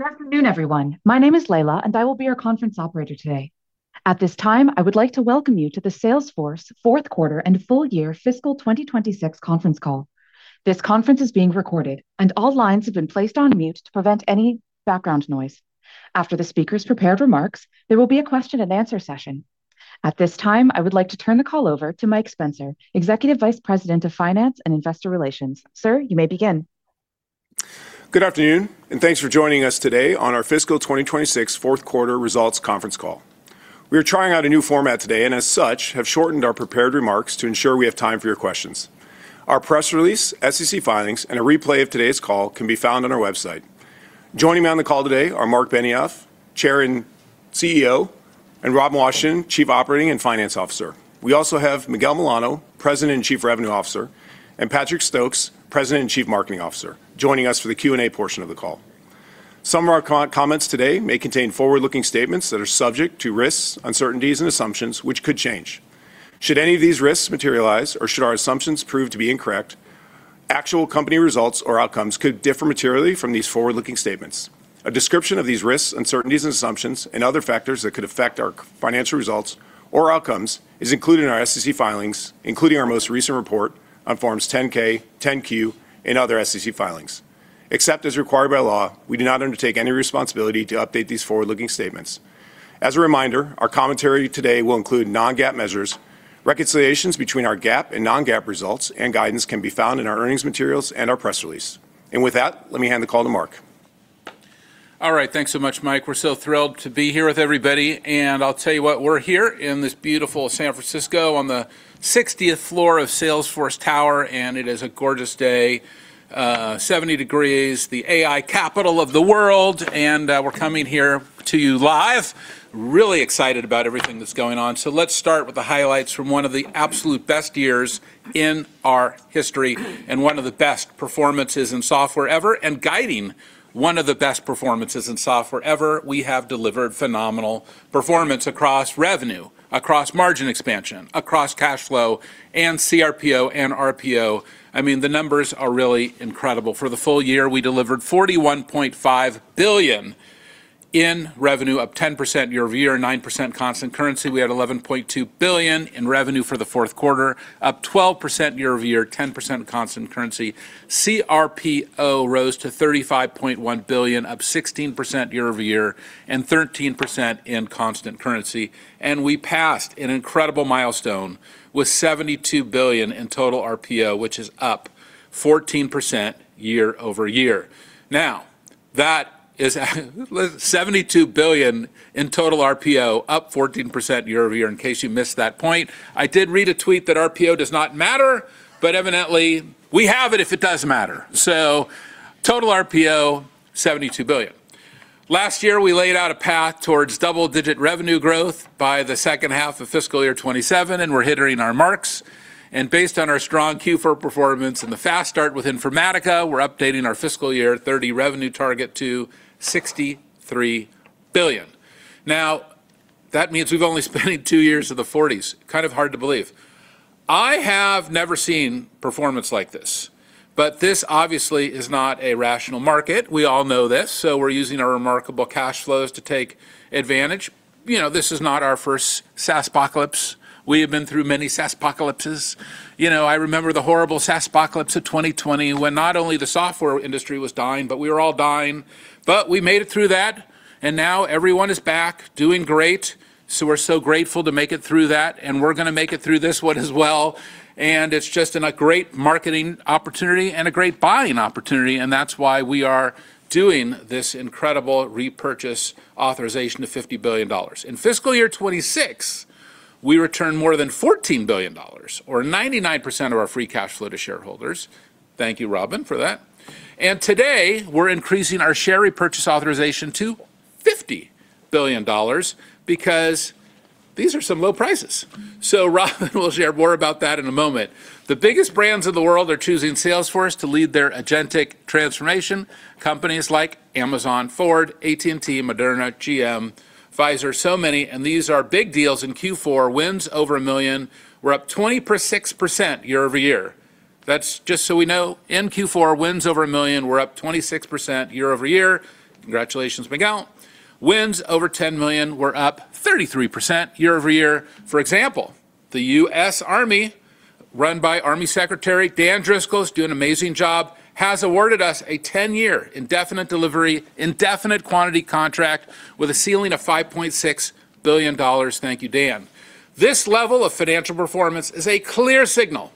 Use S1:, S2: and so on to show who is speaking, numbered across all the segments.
S1: Good afternoon, everyone. My name is Layla, and I will be your conference operator today. At this time, I would like to welcome you to the Salesforce Q4 and Full Year Fiscal 2026 Conference Call. This conference is being recorded, and all lines have been placed on mute to prevent any background noise. After the speakers' prepared remarks, there will be a question and answer session. At this time, I would like to turn the call over to Mike Spencer, Executive Vice President of Finance and Investor Relations. Sir, you may begin.
S2: Good afternoon. Thanks for joining us today on our fiscal 2026 Q4 results Conference Call. We are trying out a new format today, and as such, have shortened our prepared remarks to ensure we have time for your questions. Our press release, SEC filings, and a replay of today's call can be found on our website. Joining me on the call today are Marc Benioff, Chair and CEO, and Robin Washington, Chief Operating and Finance Officer. We also have Miguel Milano, President and Chief Revenue Officer, and Patrick Stokes, President and Chief Marketing Officer, joining us for the Q&A portion of the call. Some of our co-comments today may contain forward-looking statements that are subject to risks, uncertainties and assumptions which could change. Should any of these risks materialize, or should our assumptions prove to be incorrect, actual company results or outcomes could differ materially from these forward-looking statements. A description of these risks, uncertainties, and assumptions, and other factors that could affect our financial results or outcomes is included in our SEC filings, including our most recent report on Forms 10-K, 10-Q, and other SEC filings. Except as required by law, we do not undertake any responsibility to update these forward-looking statements. As a reminder, our commentary today will include non-GAAP measures. Reconciliations between our GAAP and non-GAAP results and guidance can be found in our earnings materials and our press release. With that, let me hand the call to Marc.
S3: All right. Thanks so much, Mike. We're so thrilled to be here with everybody, and I'll tell you what, we're here in this beautiful San Francisco on the 60th floor of Salesforce Tower, and it is a gorgeous day, 70 degrees, the AI capital of the world, and we're coming here to you live. Really excited about everything that's going on. Let's start with the highlights from one of the absolute best years in our history, and one of the best performances in software ever, and guiding one of the best performances in software ever. We have delivered phenomenal performance across revenue, across margin expansion, across cash flow, and CRPO and RPO. I mean, the numbers are really incredible. For the full year, we delivered $41.5 billion in revenue, up 10% year-over-year, 9% constant currency. We had $11.2 billion in revenue for the Q4, up 12% year-over-year, 10% constant currency. CRPO rose to $35.1 billion, up 16% year-over-year, and 13% in constant currency. We passed an incredible milestone with $72 billion in total RPO, which is up 14% year-over-year. Now, that is $72 billion in total RPO, up 14% year-over-year, in case you missed that point. I did read a tweet that RPO does not matter, but evidently, we have it if it does matter. Total RPO, $72 billion. Last year, we laid out a path towards double-digit revenue growth by the second half of fiscal year 2027, and we're hitting our marks. Based on our strong Q4 performance and the fast start with Informatica, we're updating our fiscal year 30 revenue target to $63 billion. That means we've only spent two years of the 40s. Kind of hard to believe. I have never seen performance like this, but this obviously is not a rational market. We all know this, so we're using our remarkable cash flows to take advantage. You know, this is not our first SaaSpocalypse. We have been through many SaaSpocalypses. You know, I remember the horrible SaaSpocalypse of 2020, when not only the software industry was dying, but we were all dying. We made it through that, and now everyone is back, doing great. We're so grateful to make it through that, and we're gonna make it through this one as well, it's just been a great marketing opportunity and a great buying opportunity, that's why we are doing this incredible repurchase authorization of $50 billion. In fiscal year 2026, we returned more than $14 billion, or 99% of our free cash flow to shareholders. Thank you, Robin, for that. Today, we're increasing our share repurchase authorization to $50 billion because these are some low prices. Robin will share more about that in a moment. The biggest brands in the world are choosing Salesforce to lead their agentic transformation, companies like Amazon, Ford, AT&T, Moderna, GM, Pfizer, so many, these are big deals in Q4, wins over $1 million. We're up 26% year-over-year. That's just so we know, in Q4, wins over $1 million, we're up 26% year-over-year. Congratulations, Miguel. Wins over $10 million, we're up 33% year-over-year. For example, the US Army, run by Army Secretary Dan Driscoll, is doing an amazing job, has awarded us a 10-year indefinite delivery, indefinite quantity contract with a ceiling of $5.6 billion. Thank you, Dan. This level of financial performance is a clear signal,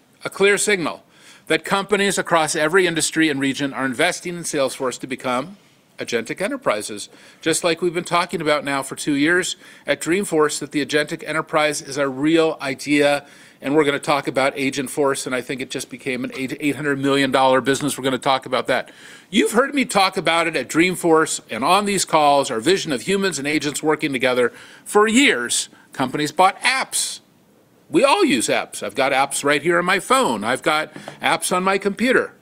S3: that companies across every industry and region are investing in Salesforce to become agentic enterprises. Just like we've been talking about now for 2 years at Dreamforce, that the agentic enterprise is a real idea, and we're gonna talk about Agentforce, and I think it just became an $800 million business. We're gonna talk about that. You've heard me talk about it at Dreamforce and on these calls, our vision of humans and agents working together. For years, companies bought apps. We all use apps. I've got apps right here on my phone. I've got apps on my computer.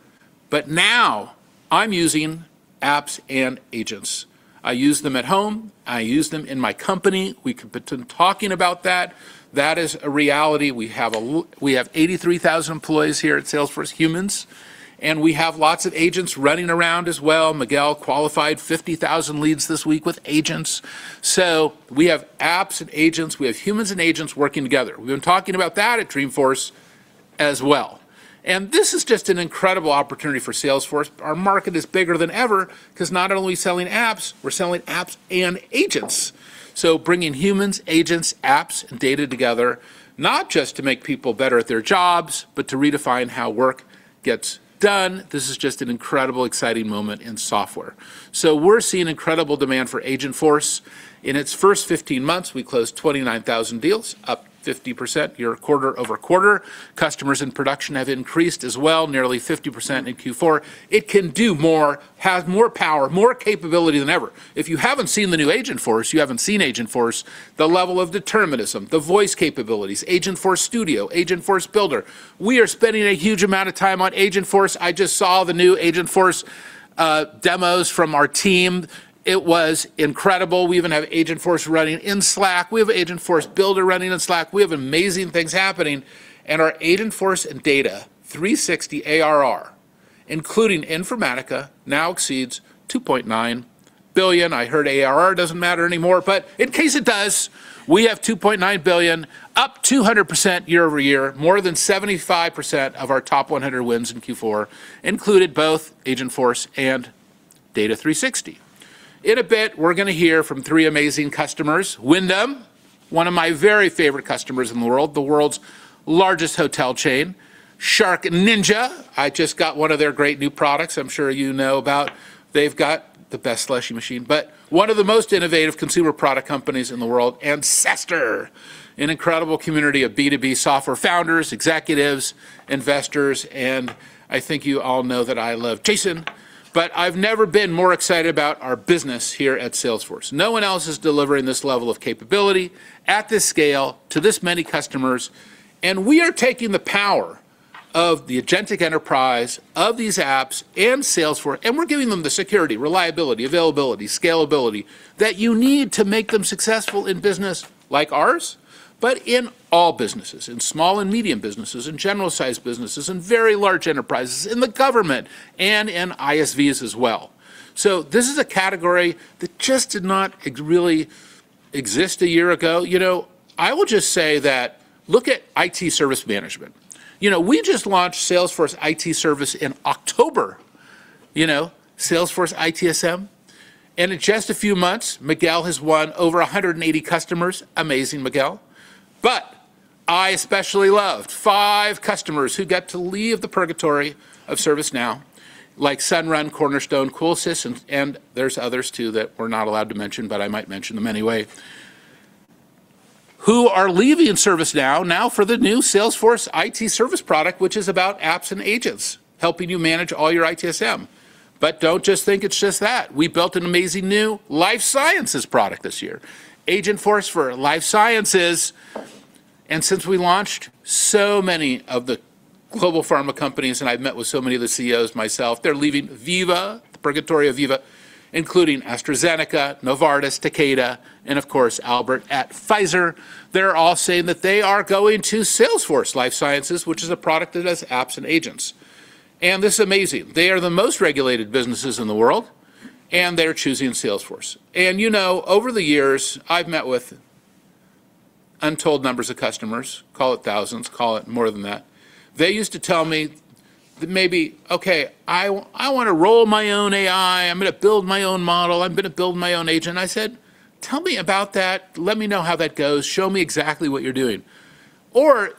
S3: Now I'm using apps and agents. I use them at home, I use them in my company. We've been talking about that. That is a reality. We have 83,000 employees here at Salesforce, humans. We have lots of agents running around as well. Miguel qualified 50,000 leads this week with agents. We have apps and agents, we have humans and agents working together. We've been talking about that at Dreamforce as well. This is just an incredible opportunity for Salesforce. Our market is bigger than ever, 'cause not only are we selling apps, we're selling apps and agents. Bringing humans, agents, apps, and data together, not just to make people better at their jobs, but to redefine how work gets done, this is just an incredible, exciting moment in software. We're seeing incredible demand for Agentforce. In its first 15 months, we closed 29,000 deals, up 50% year quarter-over-quarter. Customers in production have increased as well, nearly 50% in Q4. It can do more, has more power, more capability than ever. If you haven't seen the new Agentforce, you haven't seen Agentforce, the level of determinism, the voice capabilities, Agentforce Studio, Agentforce Builder. We are spending a huge amount of time on Agentforce. I just saw the new Agentforce demos from our team. It was incredible. We even have Agentforce running in Slack. We have Agentforce Builder running in Slack. Our Agentforce data, Data 360 ARR, including Informatica, now exceeds $2.9 billion. I heard ARR doesn't matter anymore, but in case it does, we have $2.9 billion, up 200% year-over-year. More than 75% of our top 100 wins in Q4 included both Agentforce and Data 360. In a bit, we're gonna hear from three amazing customers. Wyndham, one of my very favorite customers in the world, the world's largest hotel chain. SharkNinja, I just got one of their great new products I'm sure you know about. They've got the best slushie machine, but one of the most innovative consumer product companies in the world, and SaaStr, an incredible community of B2B software founders, executives, investors, and I think you all know that I love Jason. I've never been more excited about our business here at Salesforce. No one else is delivering this level of capability at this scale to this many customers, and we are taking the power of the agentic enterprise, of these apps and Salesforce, and we're giving them the security, reliability, availability, scalability that you need to make them successful in business like ours, but in all businesses, in small and medium businesses, in general-sized businesses, in very large enterprises, in the government, and in ISVs as well. This is a category that just did not really exist a year ago. You know, I will just say that look at IT service management. You know, we just launched Salesforce IT Service in October, you know, Salesforce ITSM, and in just a few months, Miguel has won over 180 customers. Amazing, Miguel. I especially loved 5 customers who got to leave the purgatory of ServiceNow, like Sunrun, Cornerstone, CoolSys, and there's others, too, that we're not allowed to mention, but I might mention them anyway, who are leaving ServiceNow now for the new Salesforce IT service product, which is about apps and agents helping you manage all your ITSM. Don't just think it's just that. We built an amazing new life sciences product this year, Agentforce for Life Sciences. Since we launched, so many of the global pharma companies, I've met with so many of the CEOs myself, they're leaving Veeva, the purgatory of Veeva, including AstraZeneca, Novartis, Takeda, of course, Albert at Pfizer. They're all saying that they are going to Salesforce Life Sciences, which is a product that has apps and agents, this is amazing. They are the most regulated businesses in the world, they're choosing Salesforce. You know, over the years, I've met with untold numbers of customers, call it thousands, call it more than that. They used to tell me that maybe, "Okay, I want to roll my own AI. I'm gonna build my own model. I'm gonna build my own agent." I said, "Tell me about that. Let me know how that goes. Show me exactly what you're doing."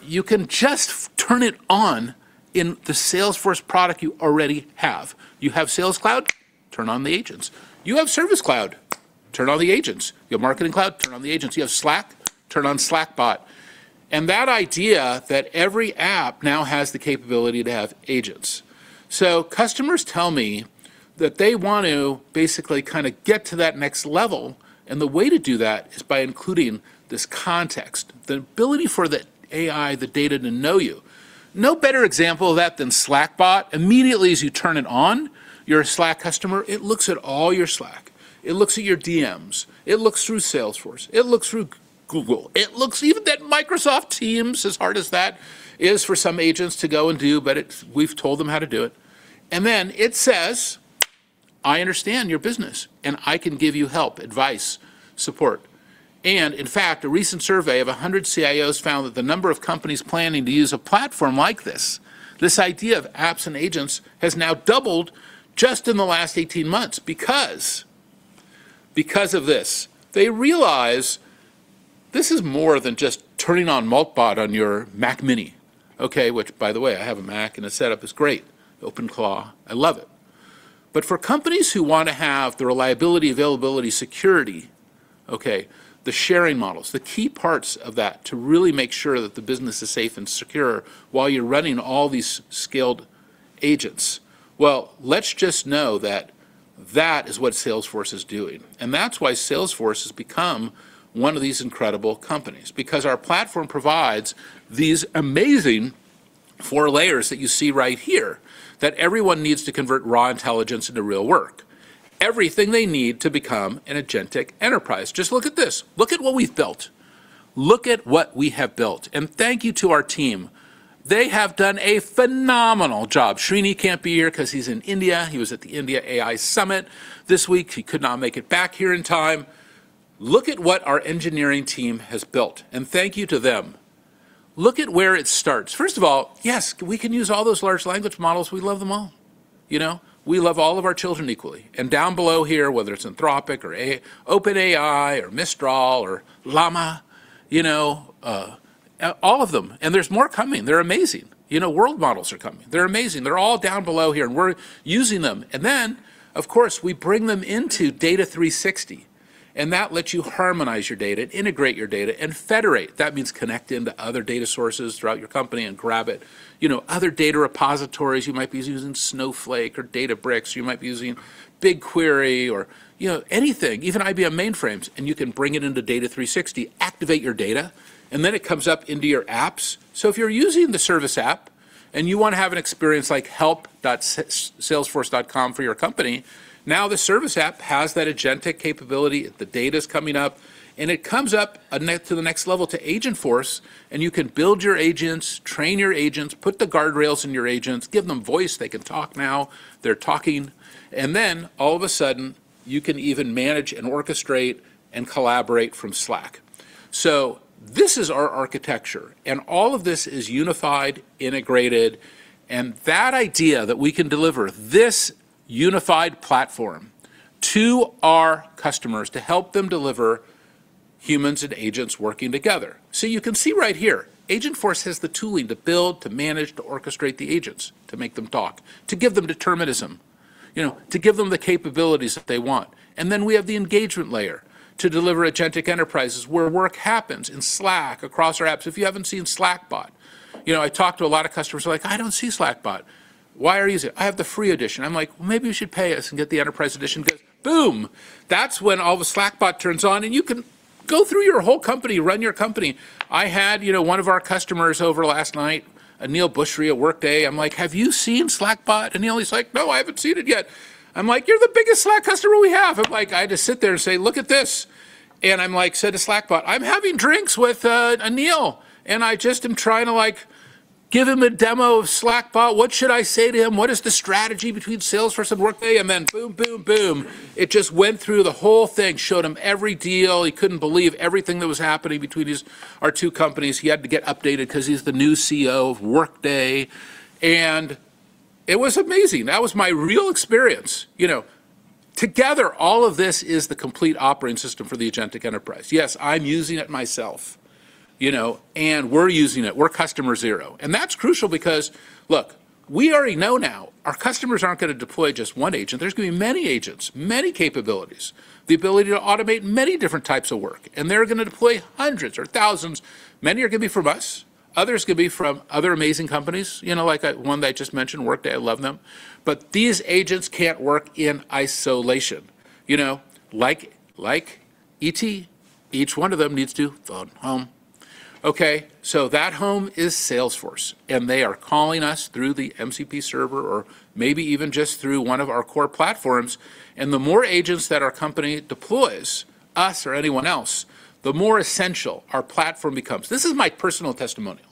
S3: You can just turn it on in the Salesforce product you already have. You have Sales Cloud, turn on the agents. You have Service Cloud, turn on the agents. You have Marketing Cloud, turn on the agents. You have Slack, turn on Slackbot, and that idea that every app now has the capability to have agents. Customers tell me that they want to basically kinda get to that next level, and the way to do that is by including this context, the ability for the AI, the data to know you. No better example of that than Slackbot. Immediately, as you turn it on, you're a Slack customer, it looks at all your Slack. It looks at your DMs. It looks through Salesforce. It looks through Google. It looks even at Microsoft Teams, as hard as that is for some agents to go and do, we've told them how to do it. It says, "I understand your business, and I can give you help, advice, support." A recent survey of 100 CIOs found that the number of companies planning to use a platform like this idea of apps and agents, has now doubled just in the last 18 months because of this. They realize this is more than just turning on Moltbot on your Mac mini, okay? Which, by the way, I have a Mac, and the setup is great. OpenClaw, I love it. For companies who want to have the reliability, availability, security, okay, the sharing models, the key parts of that to really make sure that the business is safe and secure while you're running all these skilled agents, well, let's just know that that is what Salesforce is doing. That's why Salesforce has become one of these incredible companies, because our platform provides these amazing four layers that you see right here, that everyone needs to convert raw intelligence into real work, everything they need to become an agentic enterprise. Just look at this. Look at what we've built. Look at what we have built. Thank you to our team. They have done a phenomenal job. Srini can't be here 'cause he's in India. He was at the India AI Summit this week. He could not make it back here in time. Look at what our engineering team has built. Thank you to them. Look at where it starts. First of all, yes, we can use all those large language models. We love them all. You know, we love all of our children equally. Down below here, whether it's Anthropic or OpenAI or Mistral or Llama, you know, all of them, and there's more coming. They're amazing. You know, world models are coming. They're amazing. They're all down below here, and we're using them. Then, of course, we bring them into Data 360, and that lets you harmonize your data and integrate your data and federate. That means connect into other data sources throughout your company and grab it. You know, other data repositories, you might be using Snowflake or Databricks, you might be using BigQuery or, you know, anything, even IBM mainframes, and you can bring it into Data 360, activate your data, and then it comes up into your apps. If you're using the service app, and you want to have an experience like help.salesforce.com for your company, now the service app has that agentic capability, the data's coming up, and it comes up to the next level to Agentforce, and you can build your agents, train your agents, put the guardrails in your agents, give them voice. They can talk now. They're talking. All of a sudden, you can even manage and orchestrate and collaborate from Slack. This is our architecture, and all of this is unified, integrated, and that idea that we can deliver this unified platform to our customers to help them deliver humans and agents working together. You can see right here, Agentforce has the tooling to build, to manage, to orchestrate the agents, to make them talk, to give them determinism, you know, to give them the capabilities that they want. Then we have the engagement layer to deliver agentic enterprises, where work happens in Slack across our apps. If you haven't seen Slackbot. You know, I talk to a lot of customers, they're like: "I don't see Slackbot. Why are you using it? I have the free edition." I'm like: "Well, maybe you should pay us and get the Enterprise Edition," 'cause, boom! That's when all of a Slackbot turns on, and you can go through your whole company, run your company. I had, you know, one of our customers over last night, Aneel Bhusri, at Workday. I'm like, "Have you seen Slackbot, Aneel?" He's like, "No, I haven't seen it yet." I'm like, "You're the biggest Slack customer we have!" I'm like, I had to sit there and say, "Look at this." I'm like, said to Slackbot, "I'm having drinks with, Aneel, and I just am trying to, like, give him a demo of Slackbot. What should I say to him? What is the strategy between Salesforce and Workday?" Boom, boom, it just went through the whole thing, showed him every deal. He couldn't believe everything that was happening between our two companies. He had to get updated ’cause he's the new CEO of Workday, and it was amazing. That was my real experience. You know, together, all of this is the complete operating system for the agentic enterprise. Yes, I'm using it myself, you know, and we're using it. We're customer zero, and that's crucial because, look, we already know now our customers aren't gonna deploy just one agent. There's gonna be many agents, many capabilities, the ability to automate many different types of work, and they're gonna deploy hundreds or thousands. Many are gonna be from us, others could be from other amazing companies, you know, like one that I just mentioned, Workday, I love them. These agents can't work in isolation. You know, like ET, each one of them needs to phone home. That home is Salesforce, and they are calling us through the MCP server or maybe even just through one of our core platforms, and the more agents that our company deploys, us or anyone else, the more essential our platform becomes. This is my personal testimonial.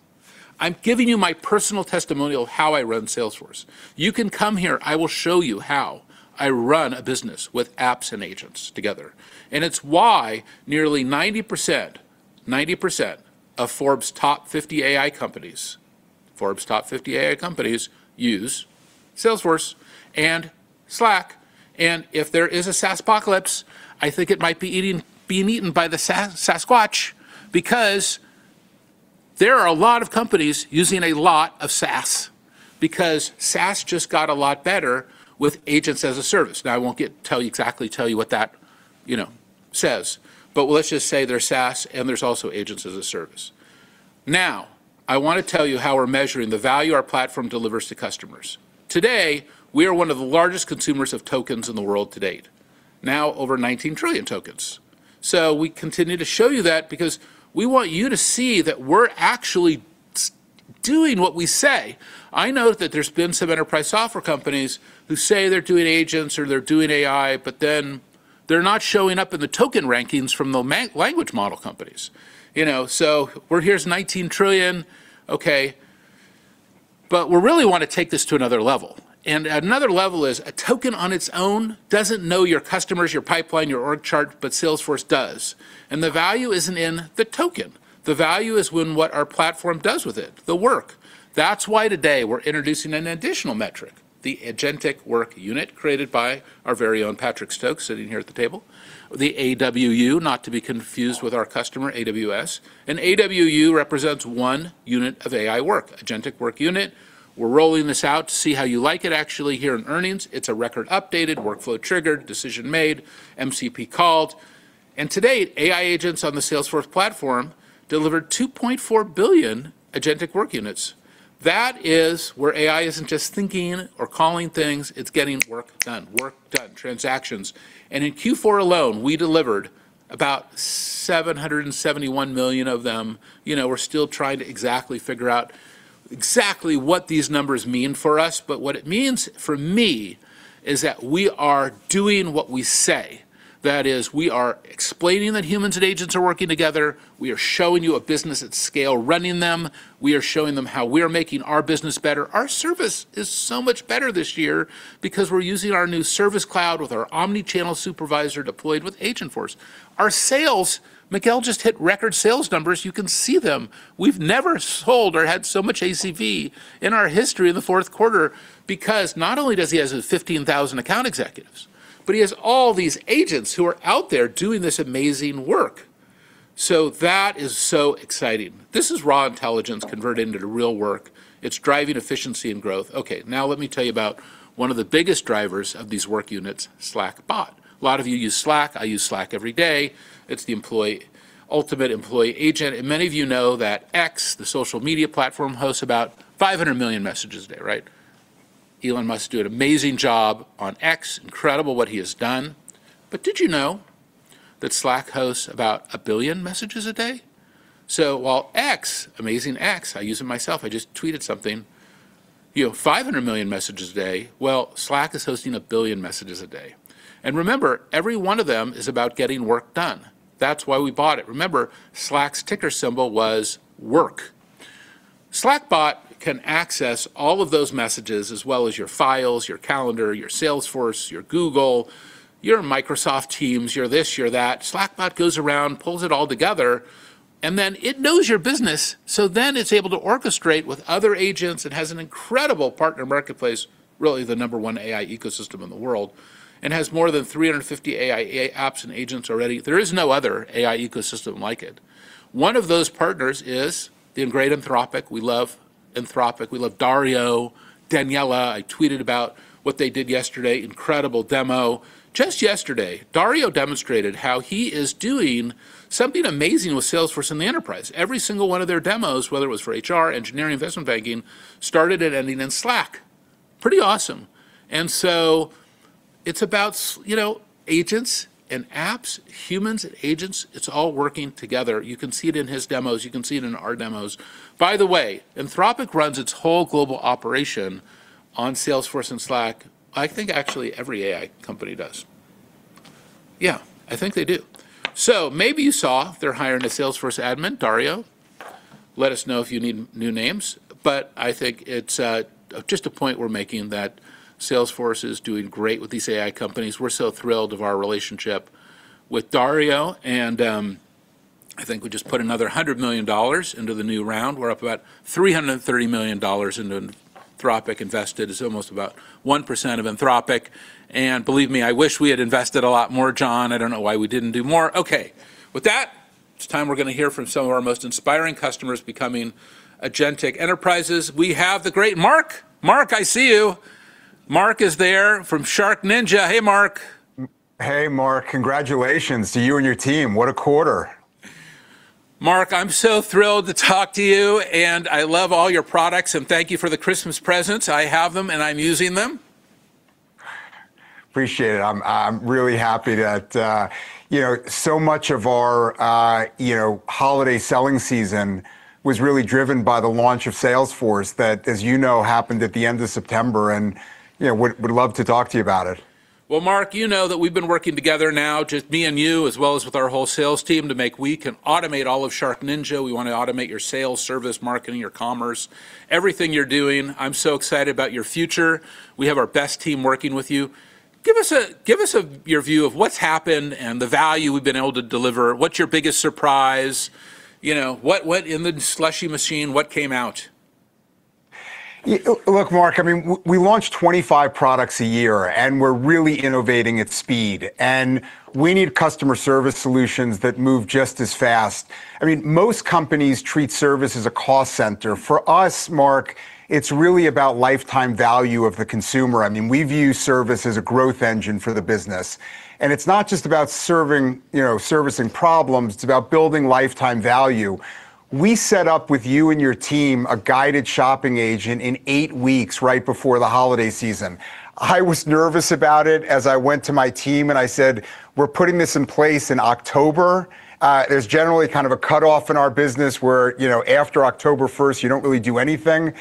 S3: I'm giving you my personal testimonial of how I run Salesforce. You can come here, I will show you how I run a business with apps and agents together. It's why nearly 90% of Forbes top 50 AI companies use Salesforce and Slack, and if there is a SaaSpocalypse, I think it might be being eaten by the Sasquatch, because there are a lot of companies using a lot of SaaS, because SaaS just got a lot better with agents-as-a-service. I won't tell you exactly, tell you what that, you know, says, but let's just say they're SaaS. There's also agents-as-a-service. I want to tell you how we're measuring the value our platform delivers to customers. Today, we are one of the largest consumers of tokens in the world to date, now over 19 trillion tokens. We continue to show you that because we want you to see that we're actually doing what we say. I know that there's been some enterprise software companies who say they're doing agents or they're doing AI, but then they're not showing up in the token rankings from the language model companies. You know, here's 19 trillion, okay, but we really want to take this to another level. Another level is a token on its own doesn't know your customers, your pipeline, your org chart, but Salesforce does. The value isn't in the token. The value is when what our platform does with it, the work. That's why today we're introducing an additional metric, the agentic work unit, created by our very own Patrick Stokes, sitting here at the table. The AWU, not to be confused with our customer, AWS. An AWU represents one unit of AI work, agentic work unit. We're rolling this out to see how you like it, actually, here in earnings. It's a record updated, workflow triggered, decision made, MCP called. To date, AI agents on the Salesforce platform delivered 2.4 billion Agentic Work Units. That is where AI isn't just thinking or calling things, it's getting work done, transactions. In Q4 alone, we delivered. about $771 million of them. You know, we're still trying to figure out exactly what these numbers mean for us, but what it means for me is that we are doing what we say. That is, we are explaining that humans and agents are working together. We are showing you a business at scale running them. We are showing them how we are making our business better. Our service is so much better this year because we're using our new Service Cloud with our Omni-Channel Supervisor deployed with Agentforce. Our sales, Miguel just hit record sales numbers. You can see them. We've never sold or had so much ACV in our history in the Q4, because not only does he have 15,000 account executives, but he has all these agents who are out there doing this amazing work. That is so exciting. This is raw intelligence converted into real work. It's driving efficiency and growth. Now let me tell you about one of the biggest drivers of these work units, Slackbot. A lot of you use Slack. I use Slack every day. It's the ultimate employee agent, and many of you know that X, the social media platform, hosts about 500 million messages a day, right? Elon Musk do an amazing job on X. Incredible what he has done. Did you know that Slack hosts about 1 billion messages a day? While X, amazing X, I use it myself, I just tweeted something, you know, 500 million messages a day. Slack is hosting 1 billion messages a day. Remember, every one of them is about getting work done. That's why we bought it. Remember, Slack's ticker symbol was work. Slackbot can access all of those messages, as well as your files, your calendar, your Salesforce, your Google, your Microsoft Teams, your this, your that. Slackbot goes around, pulls it all together, and then it knows your business, so then it's able to orchestrate with other agents. It has an incredible partner marketplace, really the number one AI ecosystem in the world, and has more than 350 AI apps and agents already. There is no other AI ecosystem like it. One of those partners is the great Anthropic. We love Anthropic. We love Dario, Daniela. I tweeted about what they did yesterday. Incredible demo. Just yesterday, Dario demonstrated how he is doing something amazing with Salesforce in the enterprise. Every single one of their demos, whether it was for HR, engineering, investment banking, started and ending in Slack. Pretty awesome. It's about you know, agents and apps, humans and agents, it's all working together. You can see it in his demos. You can see it in our demos. By the way, Anthropic runs its whole global operation on Salesforce and Slack. I think actually every AI company does. Yeah, I think they do. Maybe you saw they're hiring a Salesforce admin, Dario. Let us know if you need new names, I think it's just a point we're making, that Salesforce is doing great with these AI companies. We're so thrilled of our relationship with Dario, I think we just put another $100 million into the new round. We're up about $330 million into Anthropic invested. It's almost about 1% of Anthropic, believe me, I wish we had invested a lot more, John. I don't know why we didn't do more. Okay, with that, it's time we're gonna hear from some of our most inspiring customers becoming agentic enterprises. We have the great Mark! Mark, I see you. Mark is there from SharkNinja. Hey, Mark.
S4: Hey, Marc. Congratulations to you and your team. What a quarter!
S3: Mark, I'm so thrilled to talk to you, and I love all your products, and thank you for the Christmas presents. I have them, and I'm using them.
S4: Appreciate it. I'm really happy that, you know, so much of our, you know, holiday selling season was really driven by the launch of Salesforce. That, as you know, happened at the end of September, and, you know, would love to talk to you about it.
S3: Well, Mark, you know that we've been working together now, just me and you, as well as with our whole sales team, to make we can automate all of SharkNinja. We wanna automate your sales, service, marketing, your commerce, everything you're doing. I'm so excited about your future. We have our best team working with you. Give us a, your view of what's happened and the value we've been able to deliver. What's your biggest surprise? You know, what in the slushie machine, what came out?
S4: Look, Marc, I mean, we launch 25 products a year, and we're really innovating at speed, and we need customer service solutions that move just as fast. I mean, most companies treat service as a cost center. For us, Mark, it's really about lifetime value of the consumer. I mean, we view service as a growth engine for the business, and it's not just about serving, you know, servicing problems, it's about building lifetime value. We set up with you and your team, a guided shopping agent in 8 weeks, right before the holiday season. I was nervous about it as I went to my team, and I said: "We're putting this in place in October?" There's generally kind of a cutoff in our business where, you know, after October first, you don't really do anything,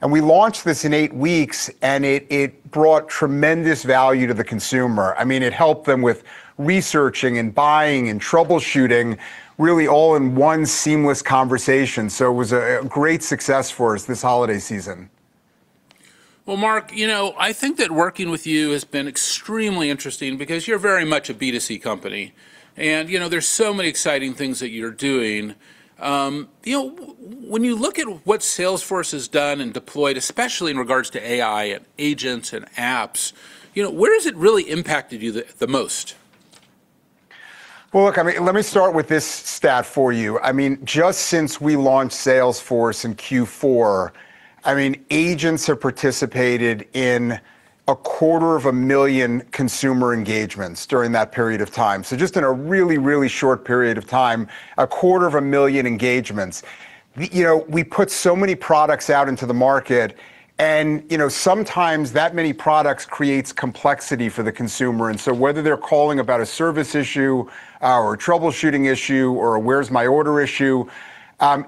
S4: and we launched this in eight weeks, and it brought tremendous value to the consumer. I mean, it helped them with researching and buying and troubleshooting, really all in one seamless conversation, so it was a great success for us this holiday season.
S3: Mark, you know, I think that working with you has been extremely interesting because you're very much a B2C company. You know, there's so many exciting things that you're doing. You know, when you look at what Salesforce has done and deployed, especially in regards to AI and agents and apps, you know, where has it really impacted you the most?
S4: Well, look, I mean, let me start with this stat for you. I mean, just since we launched Salesforce in Q4, I mean, agents have participated in a quarter of a million consumer engagements during that period of time. Just in a really, really short period of time, a quarter of a million engagements. You know, we put so many products out into the market, and, you know, sometimes that many products creates complexity for the consumer, and so whether they're calling about a service issue or a troubleshooting issue or a where's my order issue.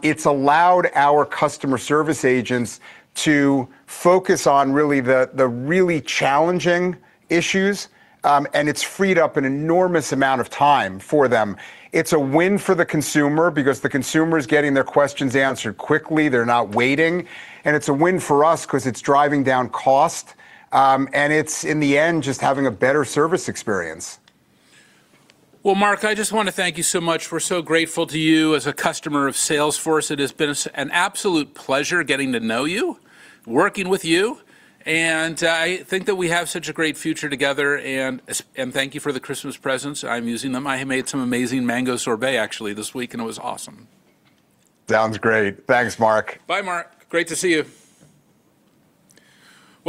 S4: It's allowed our customer service agents to focus on the really challenging issues, and it's freed up an enormous amount of time for them. It's a win for the consumer because the consumer is getting their questions answered quickly, they're not waiting, and it's a win for us 'cause it's driving down cost, and it's, in the end, just having a better service experience.
S3: Mark, I just wanna thank you so much. We're so grateful to you as a customer of Salesforce. It has been an absolute pleasure getting to know you, working with you, and I think that we have such a great future together, and thank you for the Christmas presents. I'm using them. I made some amazing mango sorbet, actually, this week, and it was awesome.
S4: Sounds great. Thanks, Marc.
S3: Bye, Mark. Great to see you.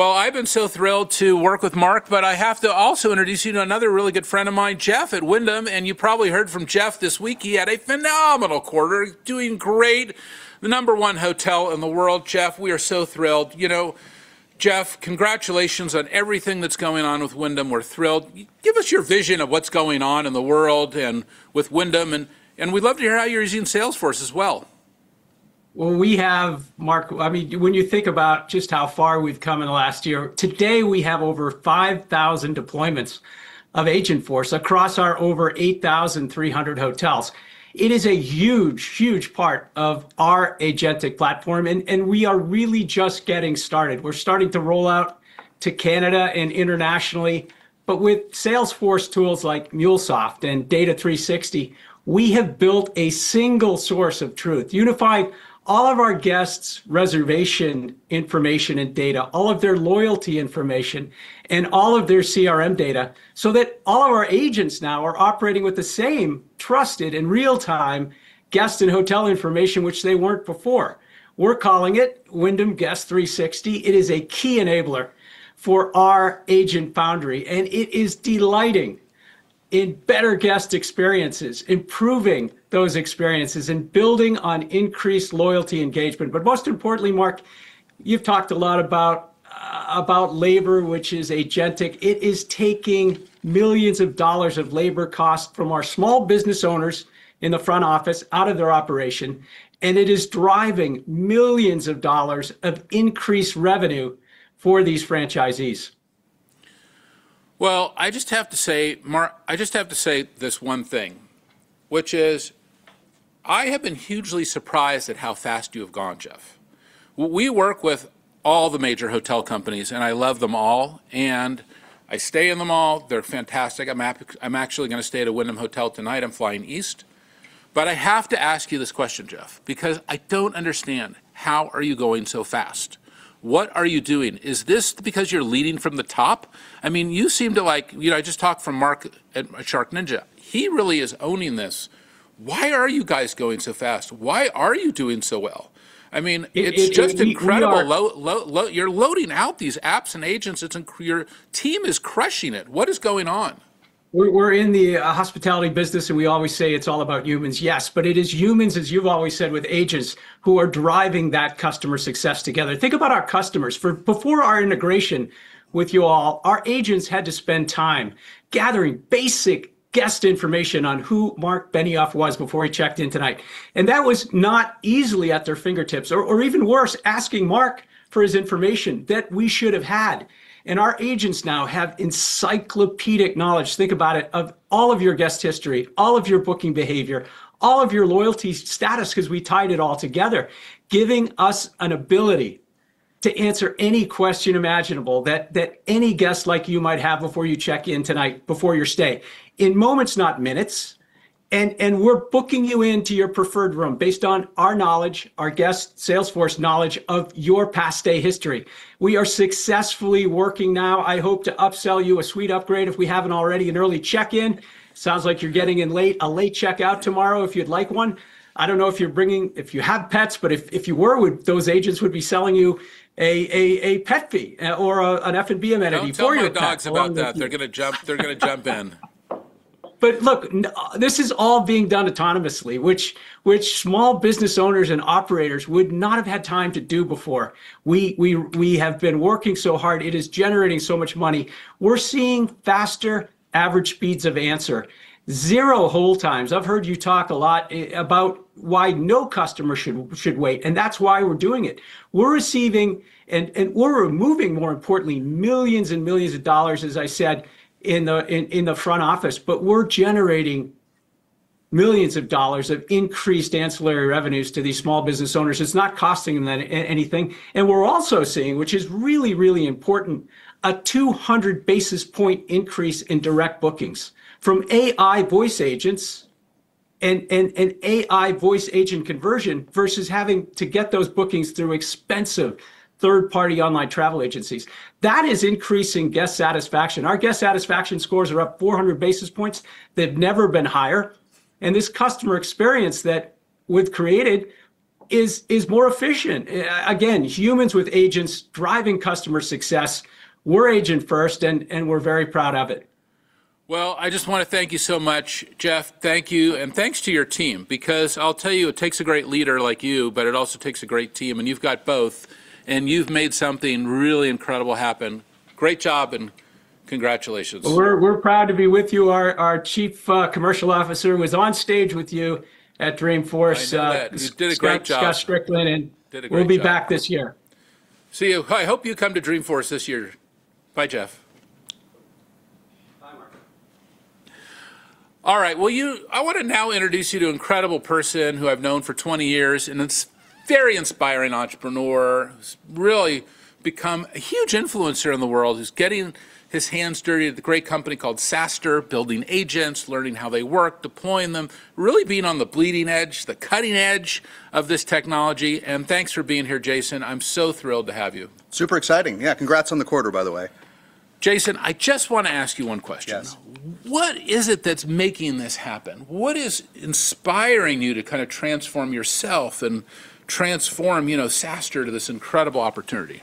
S3: I've been so thrilled to work with Mark, but I have to also introduce you to another really good friend of mine, Jeff at Wyndham. You probably heard from Jeff this week. He had a phenomenal quarter, doing great, the number one hotel in the world. Jeff, we are so thrilled. You know, Jeff, congratulations on everything that's going on with Wyndham. We're thrilled. Give us your vision of what's going on in the world and with Wyndham. We'd love to hear how you're using Salesforce as well.
S5: Well, we have, Marc, I mean, when you think about just how far we've come in the last year, today we have over 5,000 deployments of Agentforce across our over 8,300 hotels. It is a huge, huge part of our agentic platform, and we are really just getting started. We're starting to roll out to Canada and internationally. With Salesforce tools like MuleSoft and Data 360, we have built a single source of truth, unified all of our guests' reservation information and data, all of their loyalty information, and all of their CRM data, that all of our agents now are operating with the same trusted and real-time guest and hotel information, which they weren't before. We're calling it Wyndham Guest360. It is a key enabler for our Agent Foundry, and it is delighting in better guest experiences, improving those experiences, and building on increased loyalty engagement. Most importantly, Marc, you've talked a lot about labor, which is agentic. It is taking millions of dollars of labor cost from our small business owners in the front office out of their operation, and it is driving millions of dollars of increased revenue for these franchisees.
S3: Well, I just have to say, I just have to say this one thing, which is I have been hugely surprised at how fast you have gone, Jeff. We work with all the major hotel companies, and I love them all, and I stay in them all. They're fantastic. I'm actually gonna stay at a Wyndham hotel tonight. I'm flying east. I have to ask you this question, Jeff, because I don't understand, how are you going so fast? What are you doing? Is this because you're leading from the top? I mean, you seem to like You know, I just talked from Mark at SharkNinja. He really is owning this. Why are you guys going so fast? Why are you doing so well? I mean.
S5: I- I- we, we are-
S3: it's just incredible. You're loading out these apps and agents, your team is crushing it. What is going on?
S5: We're in the hospitality business, and we always say it's all about humans, yes, but it is humans, as you've always said, with agents, who are driving that customer success together. Think about our customers. Before our integration with you all, our agents had to spend time gathering basic guest information on who Marc Benioff was before he checked in tonight, and that was not easily at their fingertips, or even worse, asking Marc for his information that we should have had. Our agents now have encyclopedic knowledge, think about it, of all of your guest history, all of your booking behavior, all of your loyalty status, 'cause we tied it all together, giving us an ability to answer any question imaginable that any guest like you might have before you check in tonight, before your stay, in moments, not minutes, and we're booking you into your preferred room based on our knowledge, our guest Salesforce knowledge of your past stay history. We are successfully working now. I hope to upsell you a suite upgrade, if we haven't already, an early check-in. Sounds like you're getting in late, a late check-out tomorrow, if you'd like one. I don't know if you have pets, but if you were, those agents would be selling you a pet fee, or an F&B amenity for your pet.
S3: Don't tell my dogs about that. They're gonna jump in.
S5: Look, this is all being done autonomously, which small business owners and operators would not have had time to do before. We have been working so hard. It is generating so much money. We're seeing faster average speeds of answer, 0 hold times. I've heard you talk a lot about why no customer should wait, and that's why we're doing it. We're receiving, and we're removing, more importantly, $ millions and millions, as I said, in the front office, but we're generating $ millions of increased ancillary revenues to these small business owners. It's not costing them anything. We're also seeing, which is really, really important, a 200 basis point increase in direct bookings from AI voice agents and AI voice agent conversion versus having to get those bookings through expensive third-party online travel agencies. That is increasing guest satisfaction. Our guest satisfaction scores are up 400 basis points. They've never been higher, and this customer experience that we've created is more efficient. Again, humans with agents driving customer success. We're agent first, and we're very proud of it.
S3: Well, I just wanna thank you so much, Jeff. Thank you, and thanks to your team, because I'll tell you, it takes a great leader like you, but it also takes a great team, and you've got both, and you've made something really incredible happen. Great job. Congratulations.
S5: We're proud to be with you. Our chief commercial officer was on stage with you at Dreamforce.
S3: I know that. He did a great job-
S5: Scott Strickland:
S3: Did a great job.
S5: We'll be back this year.
S3: See you. I hope you come to Dreamforce this year. Bye, Jeff.
S5: Bye, Marc.
S3: All right, well, I wanna now introduce you to an incredible person who I've known for 20 years, and it's very inspiring entrepreneur. He's really become a huge influencer in the world. He's getting his hands dirty at the great company called SaaStr, building agents, learning how they work, deploying them, really being on the bleeding edge, the cutting edge of this technology, and thanks for being here, Jason. I'm so thrilled to have you.
S6: Super exciting. Yeah, congrats on the quarter, by the way.
S3: Jason, I just wanna ask you one question.
S6: Yes.
S3: What is it that's making this happen? What is inspiring you to kind of transform yourself and transform, you know, SaaStr to this incredible opportunity?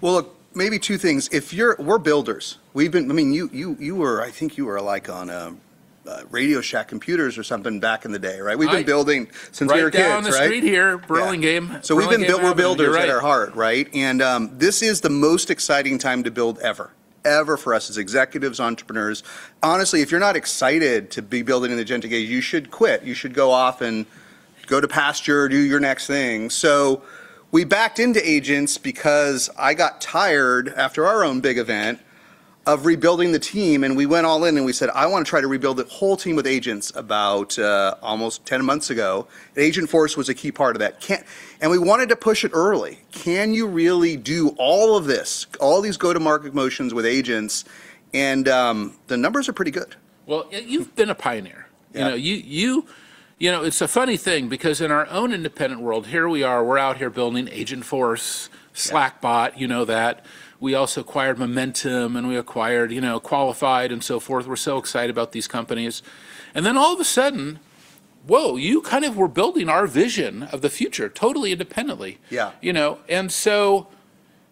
S6: Well, look, maybe two things. We're builders. We've been. I mean, you, you were, I think you were, like, on RadioShack computers or something back in the day, right?
S3: I-
S6: We've been building since we were kids, right?
S3: Right down the street here, Burlingame.
S6: we've been
S3: You're right.
S6: We're builders at our heart, right? This is the most exciting time to build ever for us as executives, entrepreneurs. Honestly, if you're not excited to be building an agentic age, you should quit. You should go off and go to pasture, do your next thing. We backed into agents because I got tired, after our own big event, of rebuilding the team, and we went all in, and we said, "I wanna try to rebuild the whole team with agents," about almost 10 months ago. Agentforce was a key part of that. We wanted to push it early. Can you really do all of this, all these go-to-market motions with agents? The numbers are pretty good.
S3: Well, you've been a pioneer.
S6: Yeah.
S3: You know, it's a funny thing because in our own independent world, here we are, we're out here building Agentforce-
S6: Yeah
S3: Slackbot, you know that. We also acquired Momentum, and we acquired, you know, Qualified and so forth. We're so excited about these companies. All of a sudden, whoa, you kind of were building our vision of the future, totally independently.
S6: Yeah.
S3: You know,